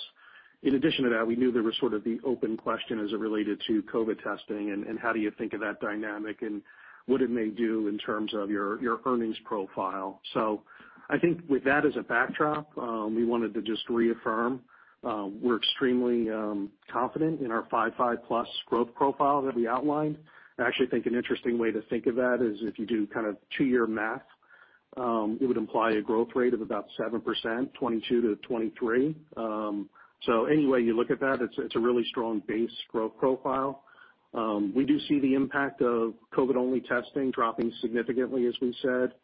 Speaker 4: In addition to that, we knew there was sort of the open question as it related to COVID testing and how do you think of that dynamic and what it may do in terms of your earnings profile. I think with that as a backdrop, we wanted to just reaffirm we're extremely confident in our 5% plus growth profile that we outlined. I actually think an interesting way to think of that is if you do kind of two-year math, it would imply a growth rate of about 7%, 2022-2023. Any way you look at that, it's a really strong base growth profile. We do see the impact of COVID-only testing dropping significantly, as we said.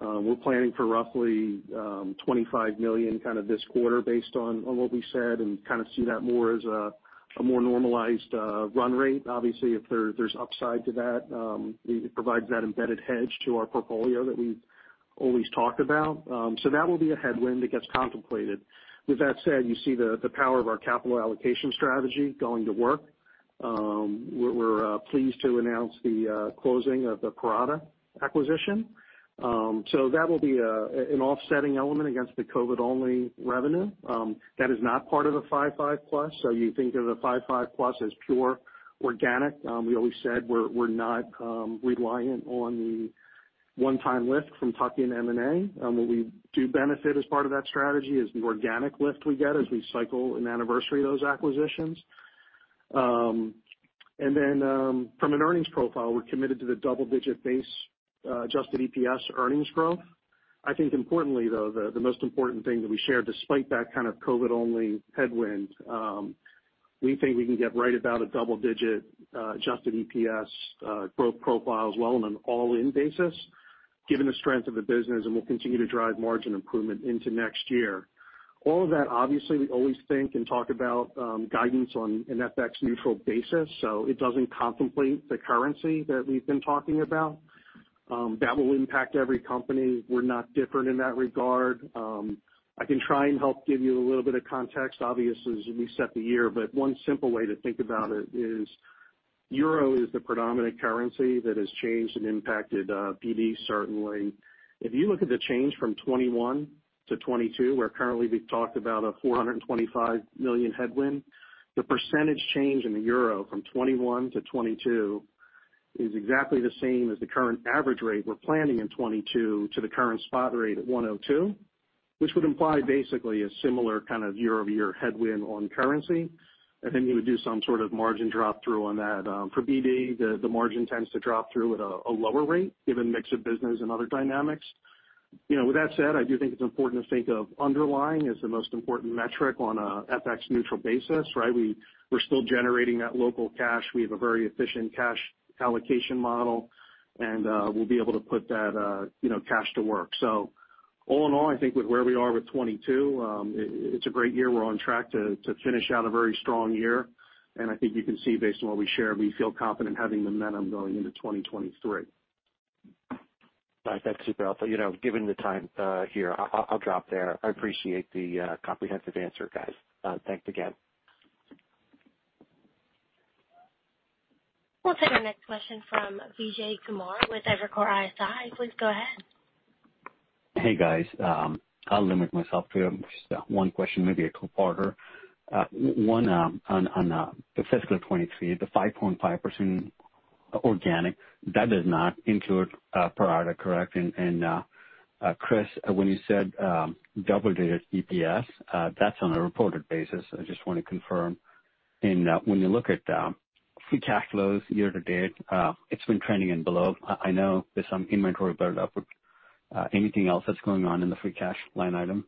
Speaker 4: We're planning for roughly $25 million kind of this quarter based on what we said and kind of see that more as a more normalized run rate. Obviously, if there's upside to that, it provides that embedded hedge to our portfolio that we've always talked about. That will be a headwind that gets contemplated. With that said, you see the power of our capital allocation strategy going to work. We're pleased to announce the closing of the Parata acquisition. That will be an offsetting element against the COVID-only revenue. That is not part of the 5.5+%, so you think of the 5.5+% as pure organic. We always said we're not reliant on the one-time lift from tuck-in M&A. What we do benefit as part of that strategy is the organic lift we get as we cycle and anniversary those acquisitions. From an earnings profile, we're committed to the double-digit base adjusted EPS earnings growth. I think importantly, though, the most important thing that we share despite that kind of COVID-only headwind, we think we can get right about a double digit adjusted EPS growth profile as well on an all-in basis, given the strength of the business, and we'll continue to drive margin improvement into next year. All of that, obviously, we always think and talk about guidance on an FX neutral basis, so it doesn't contemplate the currency that we've been talking about. That will impact every company. We're not different in that regard. I can try and help give you a little bit of context, obviously as we set the year, but one simple way to think about it is euro is the predominant currency that has changed and impacted BD certainly. If you look at the change from 2021 to 2022, where currently we've talked about a $425 million headwind, the percentage change in the euro from 2021 to 2022 is exactly the same as the current average rate we're planning in 2022 to the current spot rate of 1.02, which would imply basically a similar kind of year-over-year headwind on currency. I think you would do some sort of margin drop through on that. For BD, the margin tends to drop through at a lower rate given mix of business and other dynamics. You know, with that said, I do think it's important to think of underlying as the most important metric on a FX neutral basis, right? We're still generating that local cash. We have a very efficient cash allocation model, and we'll be able to put that, you know, cash to work. All in all, I think with where we are with 2022, it's a great year. We're on track to finish out a very strong year, and I think you can see based on what we share, we feel confident having momentum going into 2023.
Speaker 5: All right. That's super helpful. You know, given the time here, I'll drop there. I appreciate the comprehensive answer, guys. Thanks again.
Speaker 1: We'll take our next question from Vijay Kumar with Evercore ISI. Please go ahead.
Speaker 6: Hey, guys. I'll limit myself to just one question, maybe a couple parter. One, on the fiscal 2023, the 5.5% organic, that does not include Parata, correct? Chris, when you said double digits EPS, that's on a reported basis. I just wanna confirm. When you look at free cash flows year to date, it's been trending below. I know there's some inventory build up. Anything else that's going on in the free cash line item?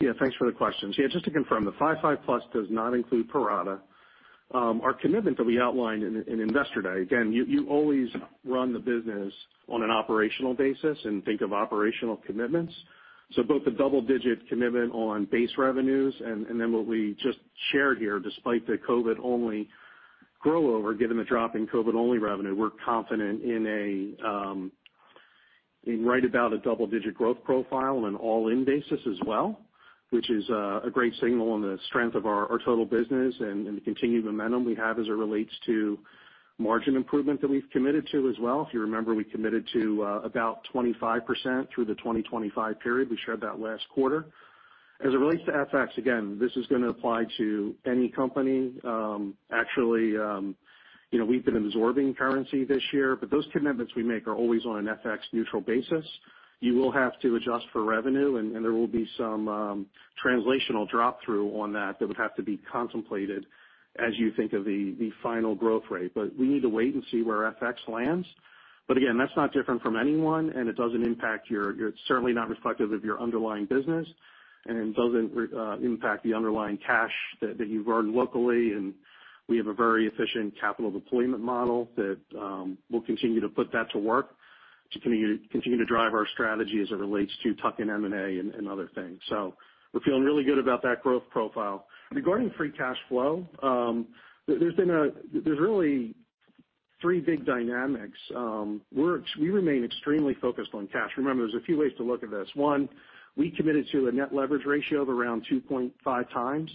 Speaker 4: Yeah, thanks for the question. Yeah, just to confirm, the 5.5%+ does not include Parata. Our commitment that we outlined in Investor Day, again, you always run the business on an operational basis and think of operational commitments. Both the double-digit commitment on base revenues and then what we just shared here, despite the COVID-only growth over, given the drop in COVID-only revenue, we're confident in right about a double-digit growth profile on an all-in basis as well, which is a great signal on the strength of our total business and the continued momentum we have as it relates to margin improvement that we've committed to as well. If you remember, we committed to about 25% through the 2025 period. We shared that last quarter. As it relates to FX, again, this is gonna apply to any company. Actually, you know, we've been absorbing currency this year, but those commitments we make are always on an FX neutral basis. You will have to adjust for revenue, and there will be some translational drop through on that that would have to be contemplated as you think of the final growth rate. We need to wait and see where FX lands. Again, that's not different from anyone, and it doesn't impact. It's certainly not reflective of your underlying business, and it doesn't impact the underlying cash that you've earned locally. We have a very efficient capital deployment model that we'll continue to put that to work to continue to drive our strategy as it relates to tuck-in M&A and other things. We're feeling really good about that growth profile. Regarding free cash flow, there's really three big dynamics. We remain extremely focused on cash. Remember, there's a few ways to look at this. One, we committed to a net leverage ratio of around 2.5x.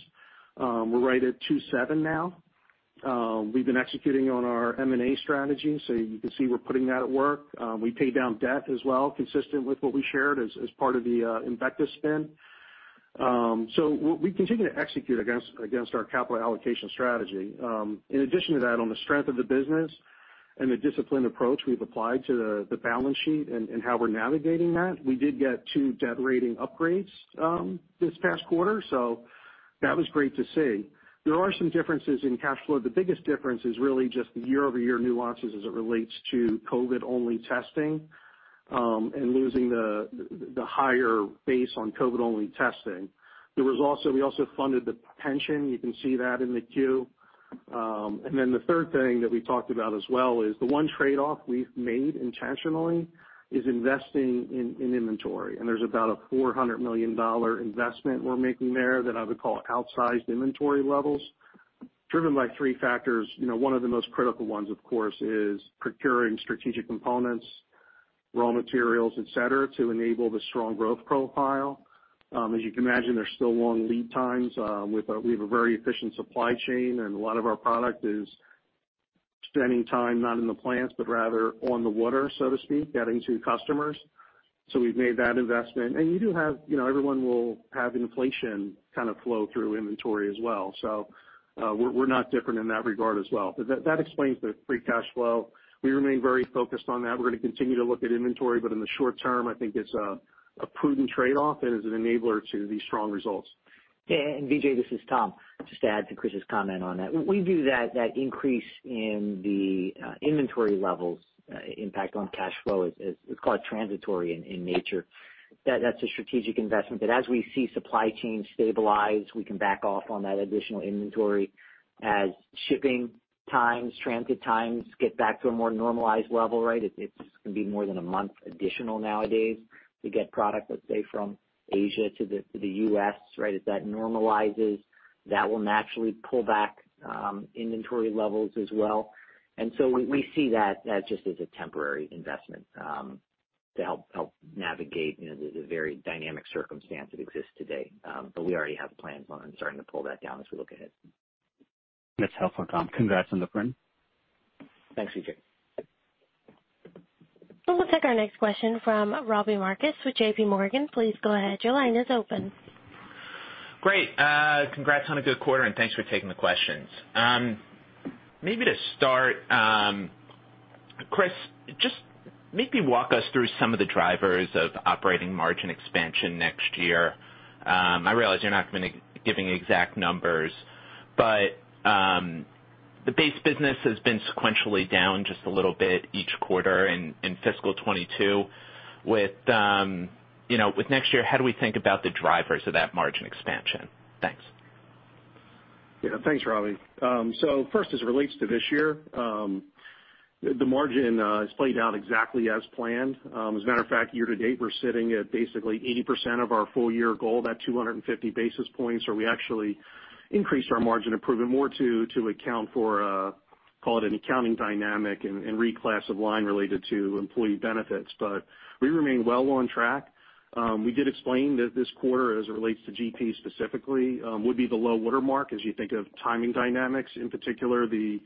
Speaker 4: We're right at 2.7x now. We've been executing on our M&A strategy, so you can see we're putting that at work. We paid down debt as well, consistent with what we shared as part of the Embecta spin. So we continue to execute against our capital allocation strategy. In addition to that, on the strength of the business and the disciplined approach we've applied to the balance sheet and how we're navigating that, we did get two debt rating upgrades this past quarter, so that was great to see. There are some differences in cash flow. The biggest difference is really just the year-over-year nuances as it relates to COVID-only testing, and losing the higher base on COVID-only testing. We also funded the pension. You can see that in the Q. The third thing that we talked about as well is the one trade-off we've made intentionally is investing in inventory. There's about a $400 million investment we're making there that I would call outsized inventory levels, driven by three factors. You know, one of the most critical ones, of course, is procuring strategic components, raw materials, et cetera, to enable the strong growth profile. As you can imagine, there's still long lead times. We have a very efficient supply chain, and a lot of our product is spending time not in the plants, but rather on the water, so to speak, getting to customers. We've made that investment. You do have, you know, everyone will have inflation kind of flow through inventory as well. We're not different in that regard as well. That explains the free cash flow. We remain very focused on that. We're gonna continue to look at inventory, but in the short term, I think it's a prudent trade-off and is an enabler to these strong results.
Speaker 3: Vijay, this is Tom. Just to add to Chris's comment on that. We view that increase in the inventory levels impact on cash flow as it's quite transitory in nature. That's a strategic investment. As we see supply chains stabilize, we can back off on that additional inventory as shipping times, transit times get back to a more normalized level, right? It's gonna be more than a month additional nowadays to get product, let's say, from Asia to the U.S., right? As that normalizes, that will naturally pull back inventory levels as well. We see that as just a temporary investment to help navigate, you know, the very dynamic circumstance that exists today. We already have plans on starting to pull that down as we look ahead.
Speaker 6: That's helpful, Tom. Congrats on the print.
Speaker 3: Thanks, Vijay.
Speaker 1: We'll take our next question from Robbie Marcus with JPMorgan. Please go ahead. Your line is open.
Speaker 7: Great. Congrats on a good quarter, and thanks for taking the questions. Maybe to start, Chris, just maybe walk us through some of the drivers of operating margin expansion next year. I realize you're not gonna be giving exact numbers, but the base business has been sequentially down just a little bit each quarter in fiscal 2022. With next year, you know, how do we think about the drivers of that margin expansion? Thanks.
Speaker 4: Yeah. Thanks, Robbie. First, as it relates to this year, the margin has played out exactly as planned. As a matter of fact, year to date, we're sitting at basically 80% of our full year goal, that 250 basis points, where we actually increased our margin improvement more to account for call it an accounting dynamic and reclass of line related to employee benefits. We remain well on track. We did explain that this quarter, as it relates to GP specifically, would be the low water mark as you think of timing dynamics, in particular, the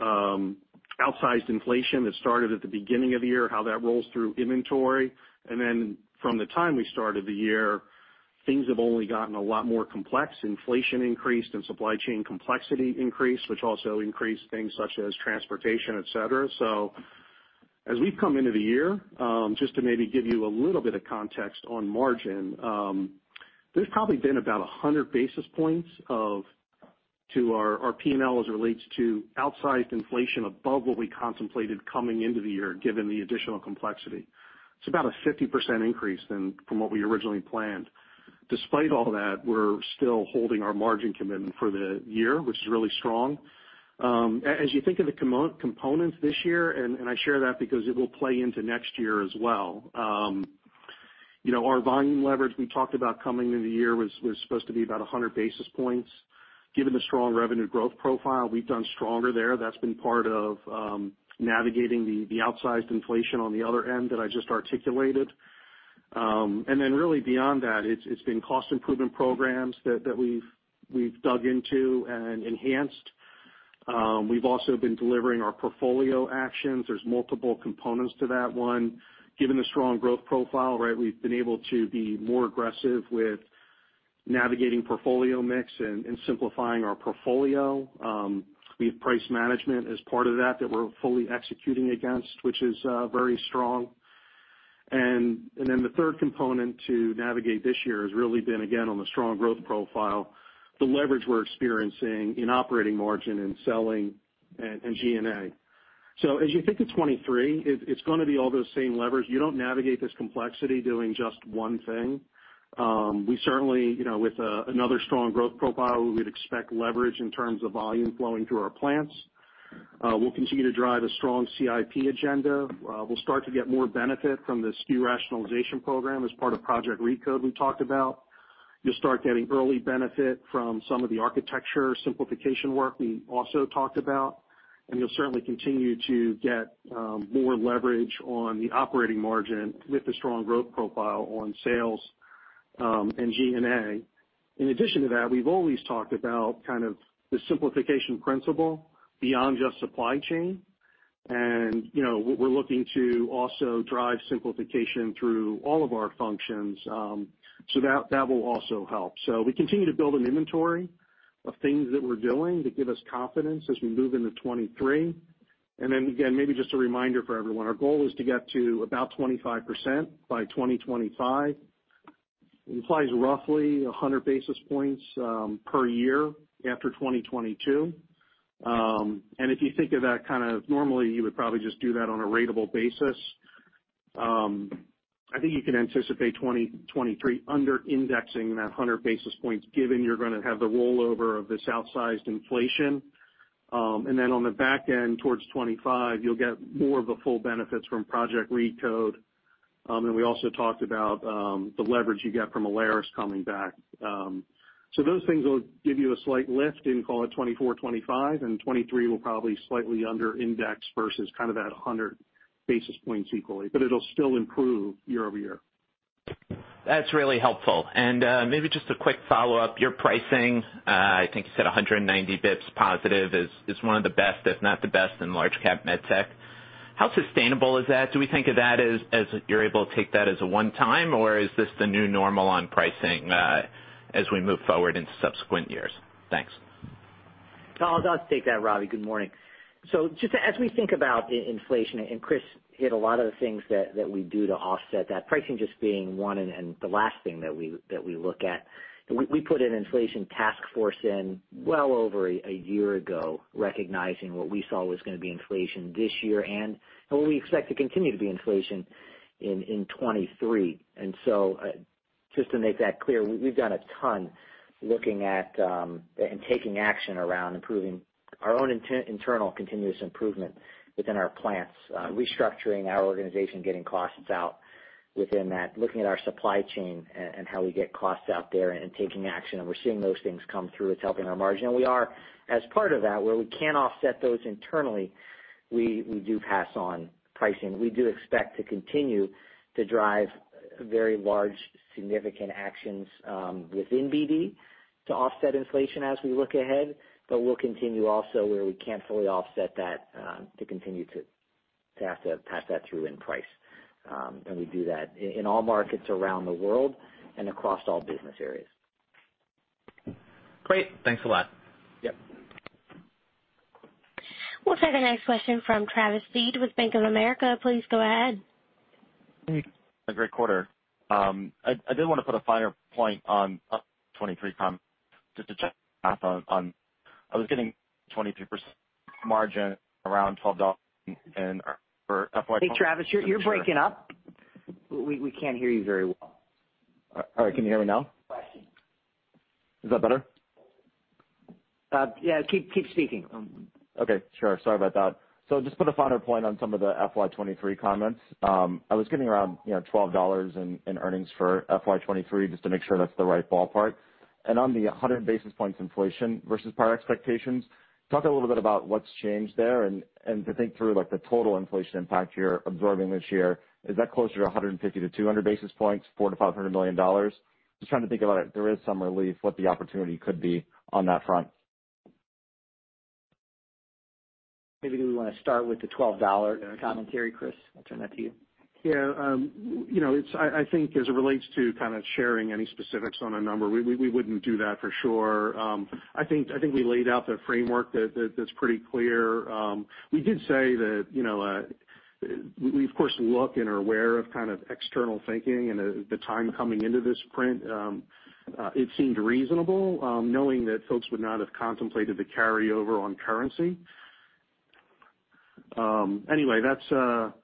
Speaker 4: outsized inflation that started at the beginning of the year, how that rolls through inventory. From the time we started the year, things have only gotten a lot more complex. Inflation increased and supply chain complexity increased, which also increased things such as transportation, et cetera. As we've come into the year, just to maybe give you a little bit of context on margin, there's probably been about 100 basis points to our P&L as it relates to outsized inflation above what we contemplated coming into the year, given the additional complexity. It's about a 50% increase than from what we originally planned. Despite all that, we're still holding our margin commitment for the year, which is really strong. As you think of the components this year, and I share that because it will play into next year as well, you know, our volume leverage we talked about coming into the year was supposed to be about 100 basis points. Given the strong revenue growth profile, we've done stronger there. That's been part of navigating the outsized inflation on the other end that I just articulated. And then really beyond that, it's been cost improvement programs that we've dug into and enhanced. We've also been delivering our portfolio actions. There's multiple components to that one. Given the strong growth profile, right, we've been able to be more aggressive with navigating portfolio mix and simplifying our portfolio. We have price management as part of that that we're fully executing against, which is very strong. And then the third component to navigate this year has really been again on the strong growth profile, the leverage we're experiencing in operating margin and selling and G&A. As you think of 2023, it's gonna be all those same levers. You don't navigate this complexity doing just one thing. We certainly, you know, with another strong growth profile, we'd expect leverage in terms of volume flowing through our plants. We'll continue to drive a strong CIP agenda. We'll start to get more benefit from the SKU rationalization program as part of Project RECODE we talked about. You'll start getting early benefit from some of the architecture simplification work we also talked about, and you'll certainly continue to get more leverage on the operating margin with the strong growth profile on sales, and G&A. In addition to that, we've always talked about kind of the simplification principle beyond just supply chain. You know, we're looking to also drive simplification through all of our functions. That will also help. We continue to build an inventory of things that we're doing to give us confidence as we move into 2023. Then again, maybe just a reminder for everyone, our goal is to get to about 25% by 2025. It implies roughly 100 basis points per year after 2022. If you think of that kind of normally, you would probably just do that on a ratable basis. I think you can anticipate 2023 under indexing that 100 basis points given you're gonna have the rollover of this outsized inflation. On the back end towards 2025, you'll get more of the full benefits from Project RECODE. We also talked about the leverage you get from Alaris coming back. Those things will give you a slight lift in, call it, 2024, 2025, and 2023 will probably slightly under index versus kind of that 100 basis points equally. It'll still improve year-over-year.
Speaker 7: That's really helpful. Maybe just a quick follow-up. Your pricing, I think you said 190 basis points positive is one of the best, if not the best in large cap med tech. How sustainable is that? Do we think of that as you're able to take that as a one-time, or is this the new normal on pricing, as we move forward in subsequent years? Thanks.
Speaker 3: This is Tom, I'll take that, Robbie. Gsood morning. Just as we think about inflation, and Chris hit a lot of the things that we do to offset that, pricing just being one and the last thing that we look at. We put an inflation task force in well over a year ago, recognizing what we saw was gonna be inflation this year and what we expect to continue to be inflation in 2023. Just to make that clear, we've done a ton looking at and taking action around improving our own internal continuous improvement within our plants, restructuring our organization, getting costs out within that, looking at our supply chain and how we get costs out there and taking action. We're seeing those things come through. It's helping our margin. We are, as part of that, where we can offset those internally, we do pass on pricing. We do expect to continue to drive very large, significant actions within BD to offset inflation as we look ahead. We'll continue also where we can't fully offset that to have to pass that through in price. We do that in all markets around the world and across all business areas.
Speaker 7: Great. Thanks a lot.
Speaker 3: Yep.
Speaker 1: We'll take the next question from Travis Steed with Bank of America. Please go ahead.
Speaker 8: A great quarter. I did want to put a finer point on 2023 comments just to check on. I was getting 23% margin around $12 and for FY-
Speaker 3: Hey, Travis, you're breaking up. We can't hear you very well.
Speaker 8: All right. Can you hear me now? Is that better?
Speaker 3: Yeah, keep speaking.
Speaker 8: Okay, sure. Sorry about that. Just put a finer point on some of the FY 2023 comments. I was getting around, you know, $12 in earnings for FY 2023, just to make sure that's the right ballpark. On the 100 basis points inflation versus prior expectations, talk a little bit about what's changed there and to think through, like, the total inflation impact you're absorbing this year. Is that closer to 150 basis points-200 basis points, $400 million-$500 million? Just trying to think about if there is some relief, what the opportunity could be on that front.
Speaker 3: Maybe we want to start with the $12 commentary, Chris. I'll turn that to you.
Speaker 4: Yeah. You know, I think as it relates to kind of sharing any specifics on a number, we wouldn't do that for sure. I think we laid out the framework that that's pretty clear. We did say that, you know, we of course look and are aware of kind of external thinking and the timing coming into this print, it seemed reasonable, knowing that folks would not have contemplated the carryover on currency. Anyway, that's.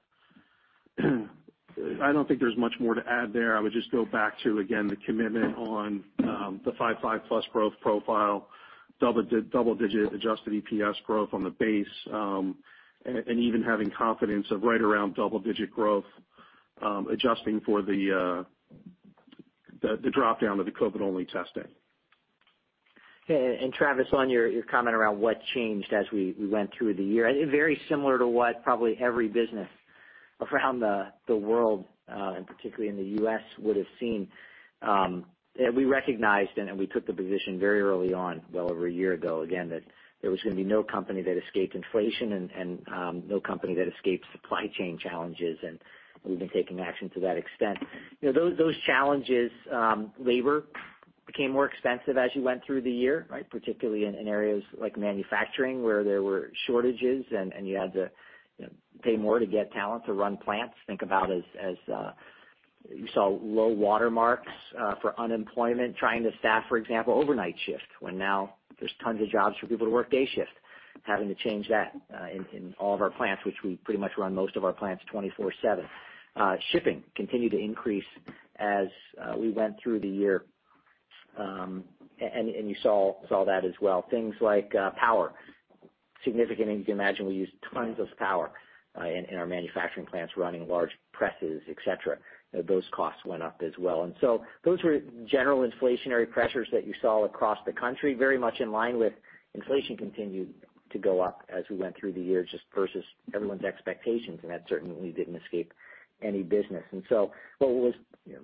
Speaker 4: I don't think there's much more to add there. I would just go back to, again, the commitment on the 5.5%+ growth profile, double-digit adjusted EPS growth on the base, and even having confidence of right around double-digit growth, adjusting for the dropdown of the COVID-only testing.
Speaker 3: Yeah, Travis, on your comment around what changed as we went through the year, very similar to what probably every business around the world and particularly in the U.S. would have seen. We recognized and we took the position very early on, well over a year ago, again, that there was gonna be no company that escaped inflation and no company that escaped supply chain challenges, and we've been taking action to that extent. You know, those challenges, labor became more expensive as you went through the year, right? Particularly in areas like manufacturing, where there were shortages and you had to, you know, pay more to get talent to run plants. Think about, as you saw low watermarks for unemployment, trying to staff, for example, overnight shift, when now there's tons of jobs for people to work day shift, having to change that in all of our plants, which we pretty much run most of our plants 24/7. Shipping continued to increase as we went through the year, and you saw that as well. Things like power, significant. You can imagine we use tons of power in our manufacturing plants, running large presses, et cetera. Those costs went up as well. Those were general inflationary pressures that you saw across the country, very much in line with inflation continued to go up as we went through the year, just versus everyone's expectations, and that certainly didn't escape any business. What was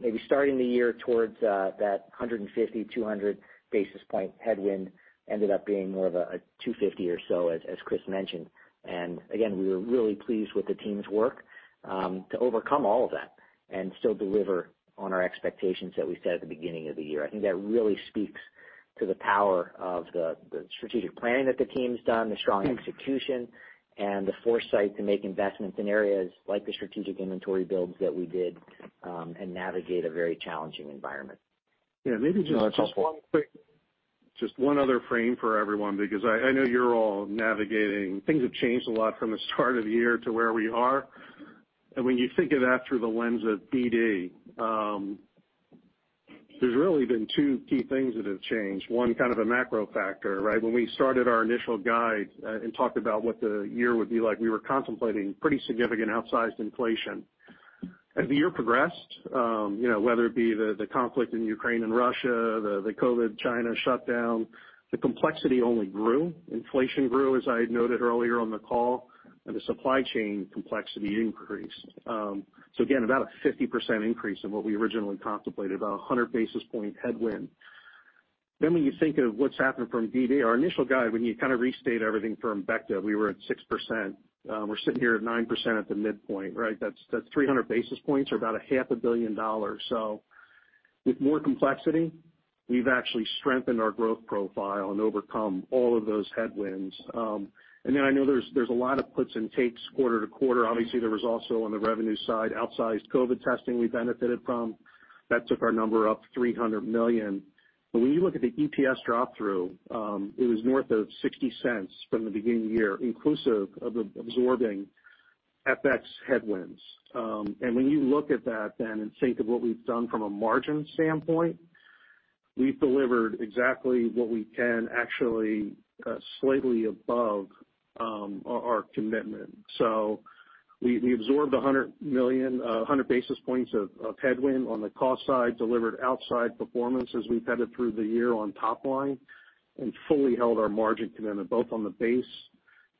Speaker 3: maybe starting the year towards that 150 basis points, 200 basis point headwind ended up being more of a 250 basis points or so, as Chris mentioned. We were really pleased with the team's work to overcome all of that and still deliver on our expectations that we set at the beginning of the year. I think that really speaks to the power of the strategic planning that the team's done, the strong execution, and the foresight to make investments in areas like the strategic inventory builds that we did, and navigate a very challenging environment.
Speaker 4: Yeah, maybe just one other frame for everyone, because I know you're all navigating. Things have changed a lot from the start of the year to where we are. When you think of that through the lens of BD, there's really been two key things that have changed. One, kind of a macro factor, right? When we started our initial guide and talked about what the year would be like, we were contemplating pretty significant outsized inflation. As the year progressed, you know, whether it be the conflict in Ukraine and Russia, the COVID China shutdown, the complexity only grew. Inflation grew, as I had noted earlier on the call, and the supply chain complexity increased. So again, about a 50% increase in what we originally contemplated, about a 100 basis point headwind. When you think of what's happened from BD, our initial guide, when you kind of restate everything from Embecta, we were at 6%. We're sitting here at 9% at the midpoint, right? That's 300 basis points or about a $500 million. With more complexity, we've actually strengthened our growth profile and overcome all of those headwinds. I know there's a lot of puts and takes quarter to quarter. Obviously, there was also on the revenue side, outsized COVID testing we benefited from. That took our number up $300 million. When you look at the EPS drop through, it was north of $0.60 from the beginning of the year, inclusive of absorbing FX headwinds. When you look at that then and think of what we've done from a margin standpoint, we've delivered exactly what we can, actually, slightly above our commitment. We absorbed $100 million, 100 basis points of headwind on the cost side, delivered outstanding performance as we've headed through the year on top line and fully held our margin commitment, both on the base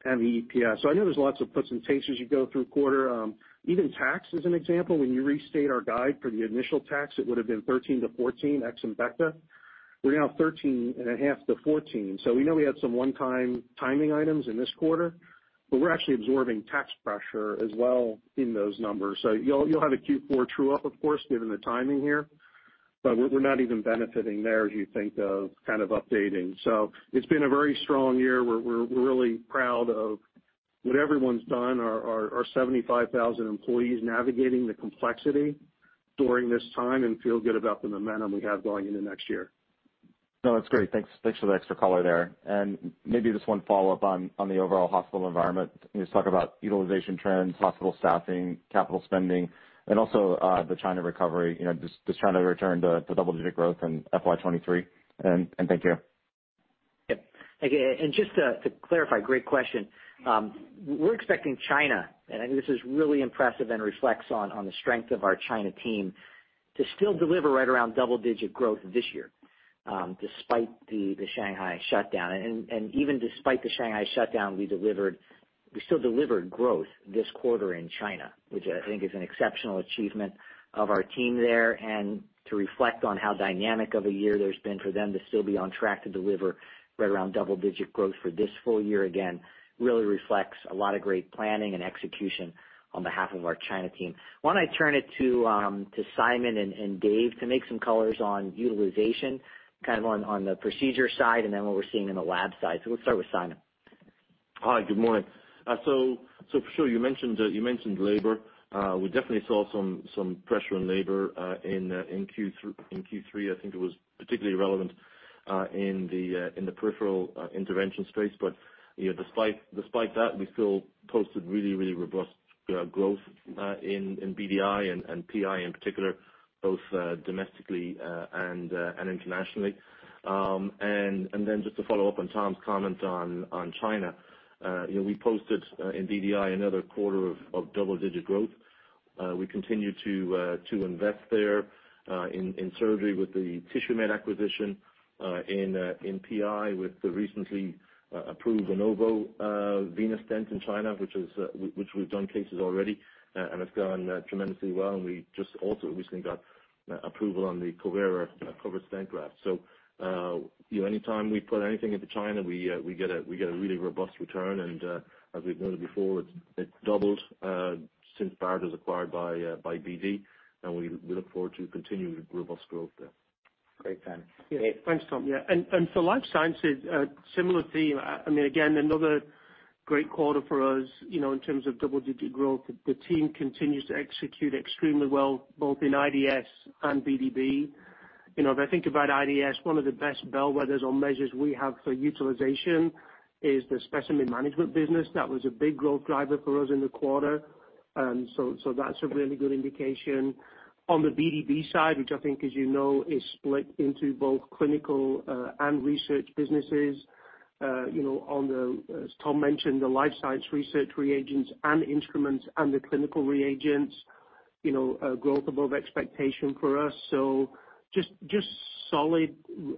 Speaker 4: and the EPS. I know there's lots of puts and takes as you go through the quarter. Even tax as an example, when you restate our guide for the initial tax, it would've been 13%-14% ex Embecta. We're now 13.5%-14%. We know we had some one-time timing items in this quarter, but we're actually absorbing tax pressure as well in those numbers. You'll have a Q4 true up, of course, given the timing here, but we're not even benefiting there as you think of kind of updating. It's been a very strong year. We're really proud of what everyone's done, our 75,000 employees navigating the complexity during this time and feel good about the momentum we have going into next year.
Speaker 8: No, that's great. Thanks. Thanks for the extra color there. Maybe just one follow-up on the overall hospital environment. Can you just talk about utilization trends, hospital staffing, capital spending, and also the China recovery, you know, just trying to return to double-digit growth in FY 2023? Thank you.
Speaker 3: Yeah. Again, just to clarify, great question. We're expecting China, and I think this is really impressive and reflects on the strength of our China team, to still deliver right around double-digit growth this year, despite the Shanghai shutdown. Even despite the Shanghai shutdown, we still delivered growth this quarter in China, which I think is an exceptional achievement of our team there. To reflect on how dynamic of a year there's been for them to still be on track to deliver right around double-digit growth for this full year, really reflects a lot of great planning and execution on behalf of our China team. Why don't I turn it to Simon and Dave to make some color on utilization, kind of on the procedure side, and then what we're seeing in the lab side. Let's start with Simon.
Speaker 9: Hi. Good morning. For sure, you mentioned labor. We definitely saw some pressure on labor in Q3. In Q3, I think it was particularly relevant in the peripheral intervention space. You know, despite that, we still posted really robust growth in BDI and PI in particular, both domestically and internationally. Then just to follow up on Tom's comment on China, you know, we posted in DDI another quarter of double-digit growth. We continue to invest there in surgery with the Tissuemed acquisition, in PI with the recently approved Venovo venous stent in China, which we've done cases already, and it's gone tremendously well. We just also recently got approval on the Covera covered stent graft. You know, anytime we put anything into China, we get a really robust return. As we've noted before, it's doubled since Bard was acquired by BD, and we look forward to continued robust growth there.
Speaker 3: Great, Simon. Dave?
Speaker 10: Thanks, Tom. Yeah, and for life sciences, a similar theme. I mean, again, another great quarter for us, you know, in terms of double-digit growth. The team continues to execute extremely well, both in IDS and BDB. You know, if I think about IDS, one of the best bellwethers or measures we have for utilization is the specimen management business. That was a big growth driver for us in the quarter. That's a really good indication. On the BDB side, which I think, as you know, is split into both clinical and research businesses, you know, as Tom mentioned, the life sciences research reagents and instruments and the clinical reagents, you know, growth above expectation for us. Just solid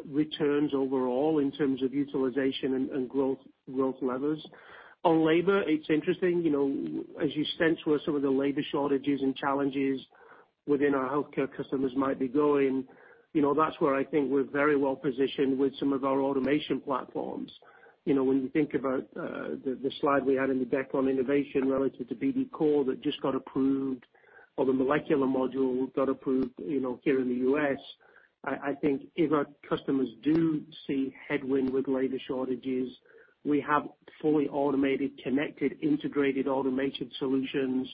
Speaker 10: returns overall in terms of utilization and growth levers. On labor, it's interesting, you know, as you sense where some of the labor shortages and challenges within our healthcare customers might be going, you know, that's where I think we're very well positioned with some of our automation platforms. You know, when you think about the slide we had in the deck on innovation relative to BD COR that just got approved or the molecular module got approved, you know, here in the U.S., I think if our customers do see headwinds with labor shortages, we have fully automated, connected, integrated automated solutions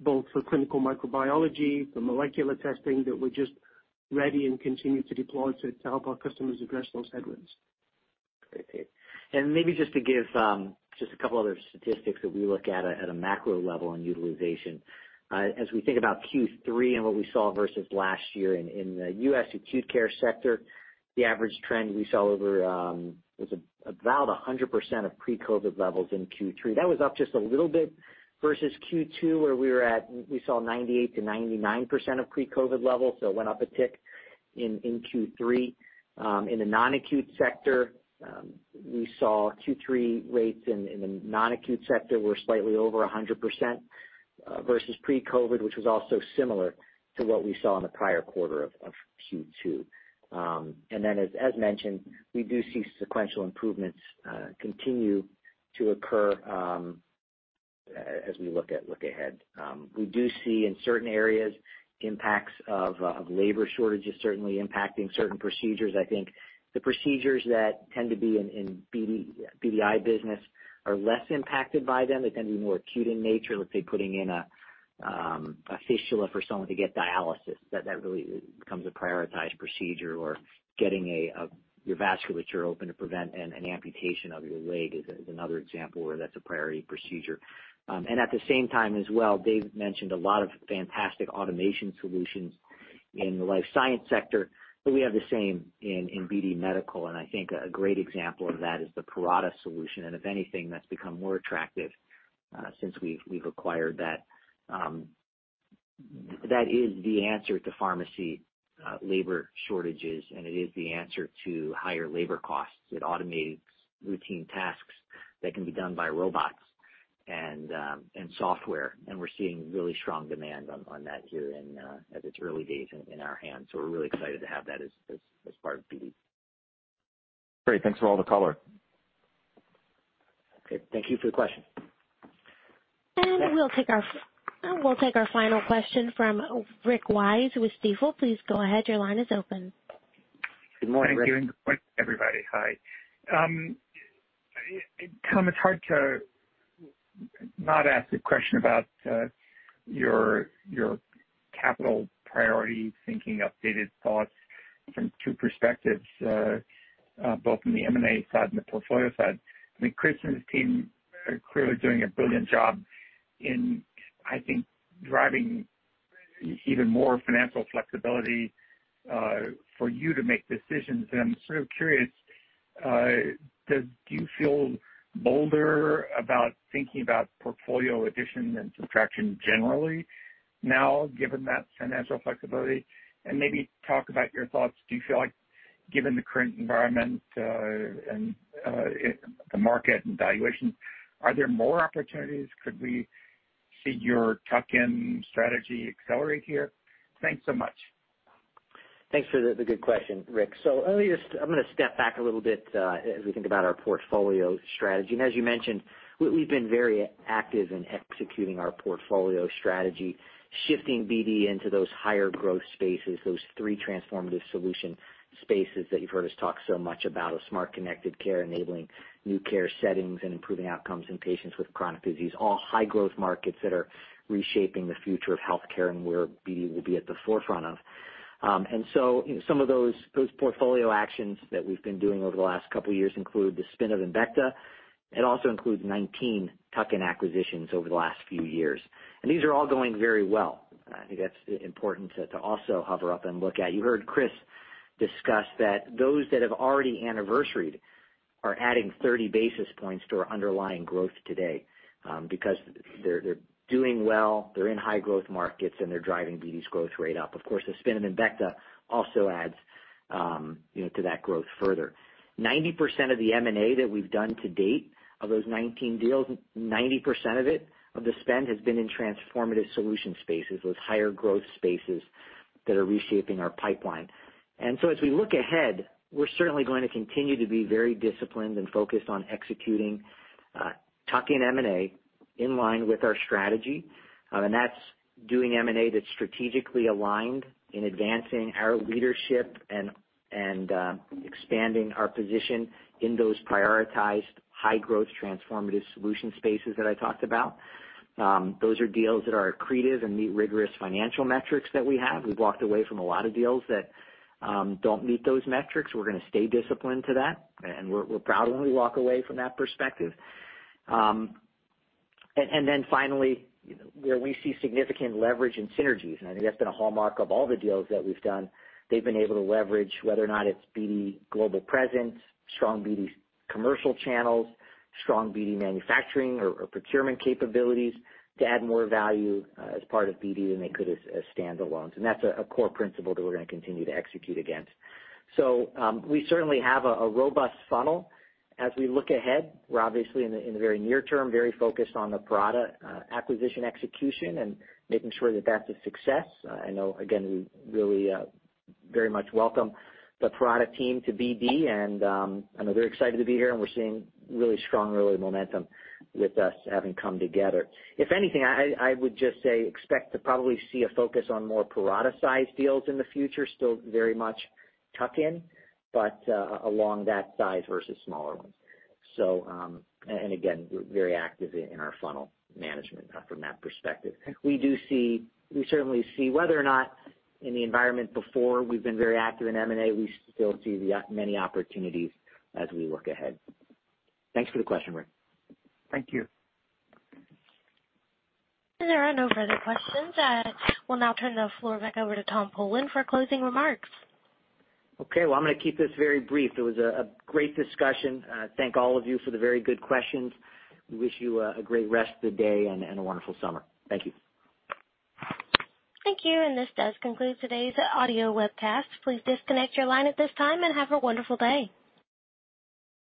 Speaker 10: both for clinical microbiology, for molecular testing, that we're just ready and continue to deploy to help our customers address those headwinds.
Speaker 3: Great, Dave. Maybe just to give just a couple other statistics that we look at at a macro level on utilization. As we think about Q3 and what we saw versus last year in the U.S. acute care sector, the average trend we saw over about 100% of pre-COVID levels in Q3. That was up just a little bit versus Q2, where we saw 98%-99% of pre-COVID levels, so it went up a tick in Q3. In the non-acute sector, we saw Q3 rates in the non-acute sector were slightly over 100%, versus pre-COVID, which was also similar to what we saw in the prior quarter of Q2. Then as mentioned, we do see sequential improvements continue to occur, as we look ahead. We do see in certain areas impacts of labor shortages certainly impacting certain procedures. I think the procedures that tend to be in BD, BDI business are less impacted by them. They tend to be more acute in nature. Let's say putting in a fistula for someone to get dialysis, that really becomes a prioritized procedure or getting your vasculature open to prevent an amputation of your leg is another example where that's a priority procedure. At the same time as well, Dave mentioned a lot of fantastic automation solutions in the life science sector, but we have the same in BD Medical. I think a great example of that is the Parata Systems. If anything, that's become more attractive since we've acquired that. That is the answer to pharmacy labor shortages, and it is the answer to higher labor costs. It automates routine tasks that can be done by robots and software, and we're seeing really strong demand on that here in as it's early days in our hands, so we're really excited to have that as part of BD.
Speaker 8: Great. Thanks for all the color.
Speaker 3: Okay. Thank you for the question.
Speaker 1: We'll take our final question from Rick Wise with Stifel. Please go ahead. Your line is open.
Speaker 3: Good morning, Rick.
Speaker 11: Thank you. Good morning, everybody. Hi. Tom, it's hard to not ask a question about your capital priority thinking, updated thoughts from two perspectives, both from the M&A side and the portfolio side. I mean, Chris and his team are clearly doing a brilliant job in, I think, driving even more financial flexibility for you to make decisions. I'm sort of curious, do you feel bolder about thinking about portfolio addition and subtraction generally now, given that financial flexibility? Maybe talk about your thoughts. Do you feel like, given the current environment, and the market and valuation, are there more opportunities? Could we see your tuck-in strategy accelerate here? Thanks so much.
Speaker 3: Thanks for the good question, Rick. I'm gonna step back a little bit as we think about our portfolio strategy. As you mentioned, we've been very active in executing our portfolio strategy, shifting BD into those higher growth spaces, those three transformative solution spaces that you've heard us talk so much about of smart connected care, enabling new care settings, and improving outcomes in patients with chronic disease, all high growth markets that are reshaping the future of healthcare and where BD will be at the forefront of. Some of those portfolio actions that we've been doing over the last couple years include the spin of Embecta. It also includes 19 tuck-in acquisitions over the last few years. These are all going very well. I think that's important to also hover up and look at. You heard Chris discuss that those that have already anniversaried are adding 30 basis points to our underlying growth today, because they're doing well, they're in high growth markets, and they're driving BD's growth rate up. Of course, the spin of Embecta also adds, you know, to that growth further. 90% of the M&A that we've done to date, of those 19 deals, 90% of it, of the spend, has been in transformative solution spaces, those higher growth spaces that are reshaping our pipeline. As we look ahead, we're certainly going to continue to be very disciplined and focused on executing tuck-in M&A in line with our strategy. That's doing M&A that's strategically aligned in advancing our leadership and expanding our position in those prioritized high growth transformative solution spaces that I talked about. Those are deals that are accretive and meet rigorous financial metrics that we have. We've walked away from a lot of deals that don't meet those metrics. We're gonna stay disciplined to that, and we're proud when we walk away from that perspective. Finally, you know, where we see significant leverage and synergies, and I think that's been a hallmark of all the deals that we've done. They've been able to leverage, whether or not it's BD global presence, strong BD commercial channels, strong BD manufacturing or procurement capabilities to add more value, as part of BD than they could as standalones. That's a core principle that we're gonna continue to execute against. We certainly have a robust funnel as we look ahead. We're obviously in the very near term very focused on the Parata acquisition execution and making sure that that's a success. I know again, we really very much welcome the Parata team to BD and I know they're excited to be here, and we're seeing really strong early momentum with us having come together. If anything, I would just say expect to probably see a focus on more Parata-sized deals in the future, still very much tuck-in, but along that size versus smaller ones. Again, we're very active in our funnel management from that perspective. We certainly see whether or not in the environment, but we've been very active in M&A, we still see so many opportunities as we look ahead. Thanks for the question, Rick.
Speaker 11: Thank you.
Speaker 1: There are no further questions. We'll now turn the floor back over to Tom Polen for closing remarks.
Speaker 3: Okay. Well, I'm gonna keep this very brief. It was a great discussion. Thank all of you for the very good questions. We wish you a great rest of the day and a wonderful summer. Thank you.
Speaker 1: Thank you. This does conclude today's audio webcast. Please disconnect your line at this time and have a wonderful day.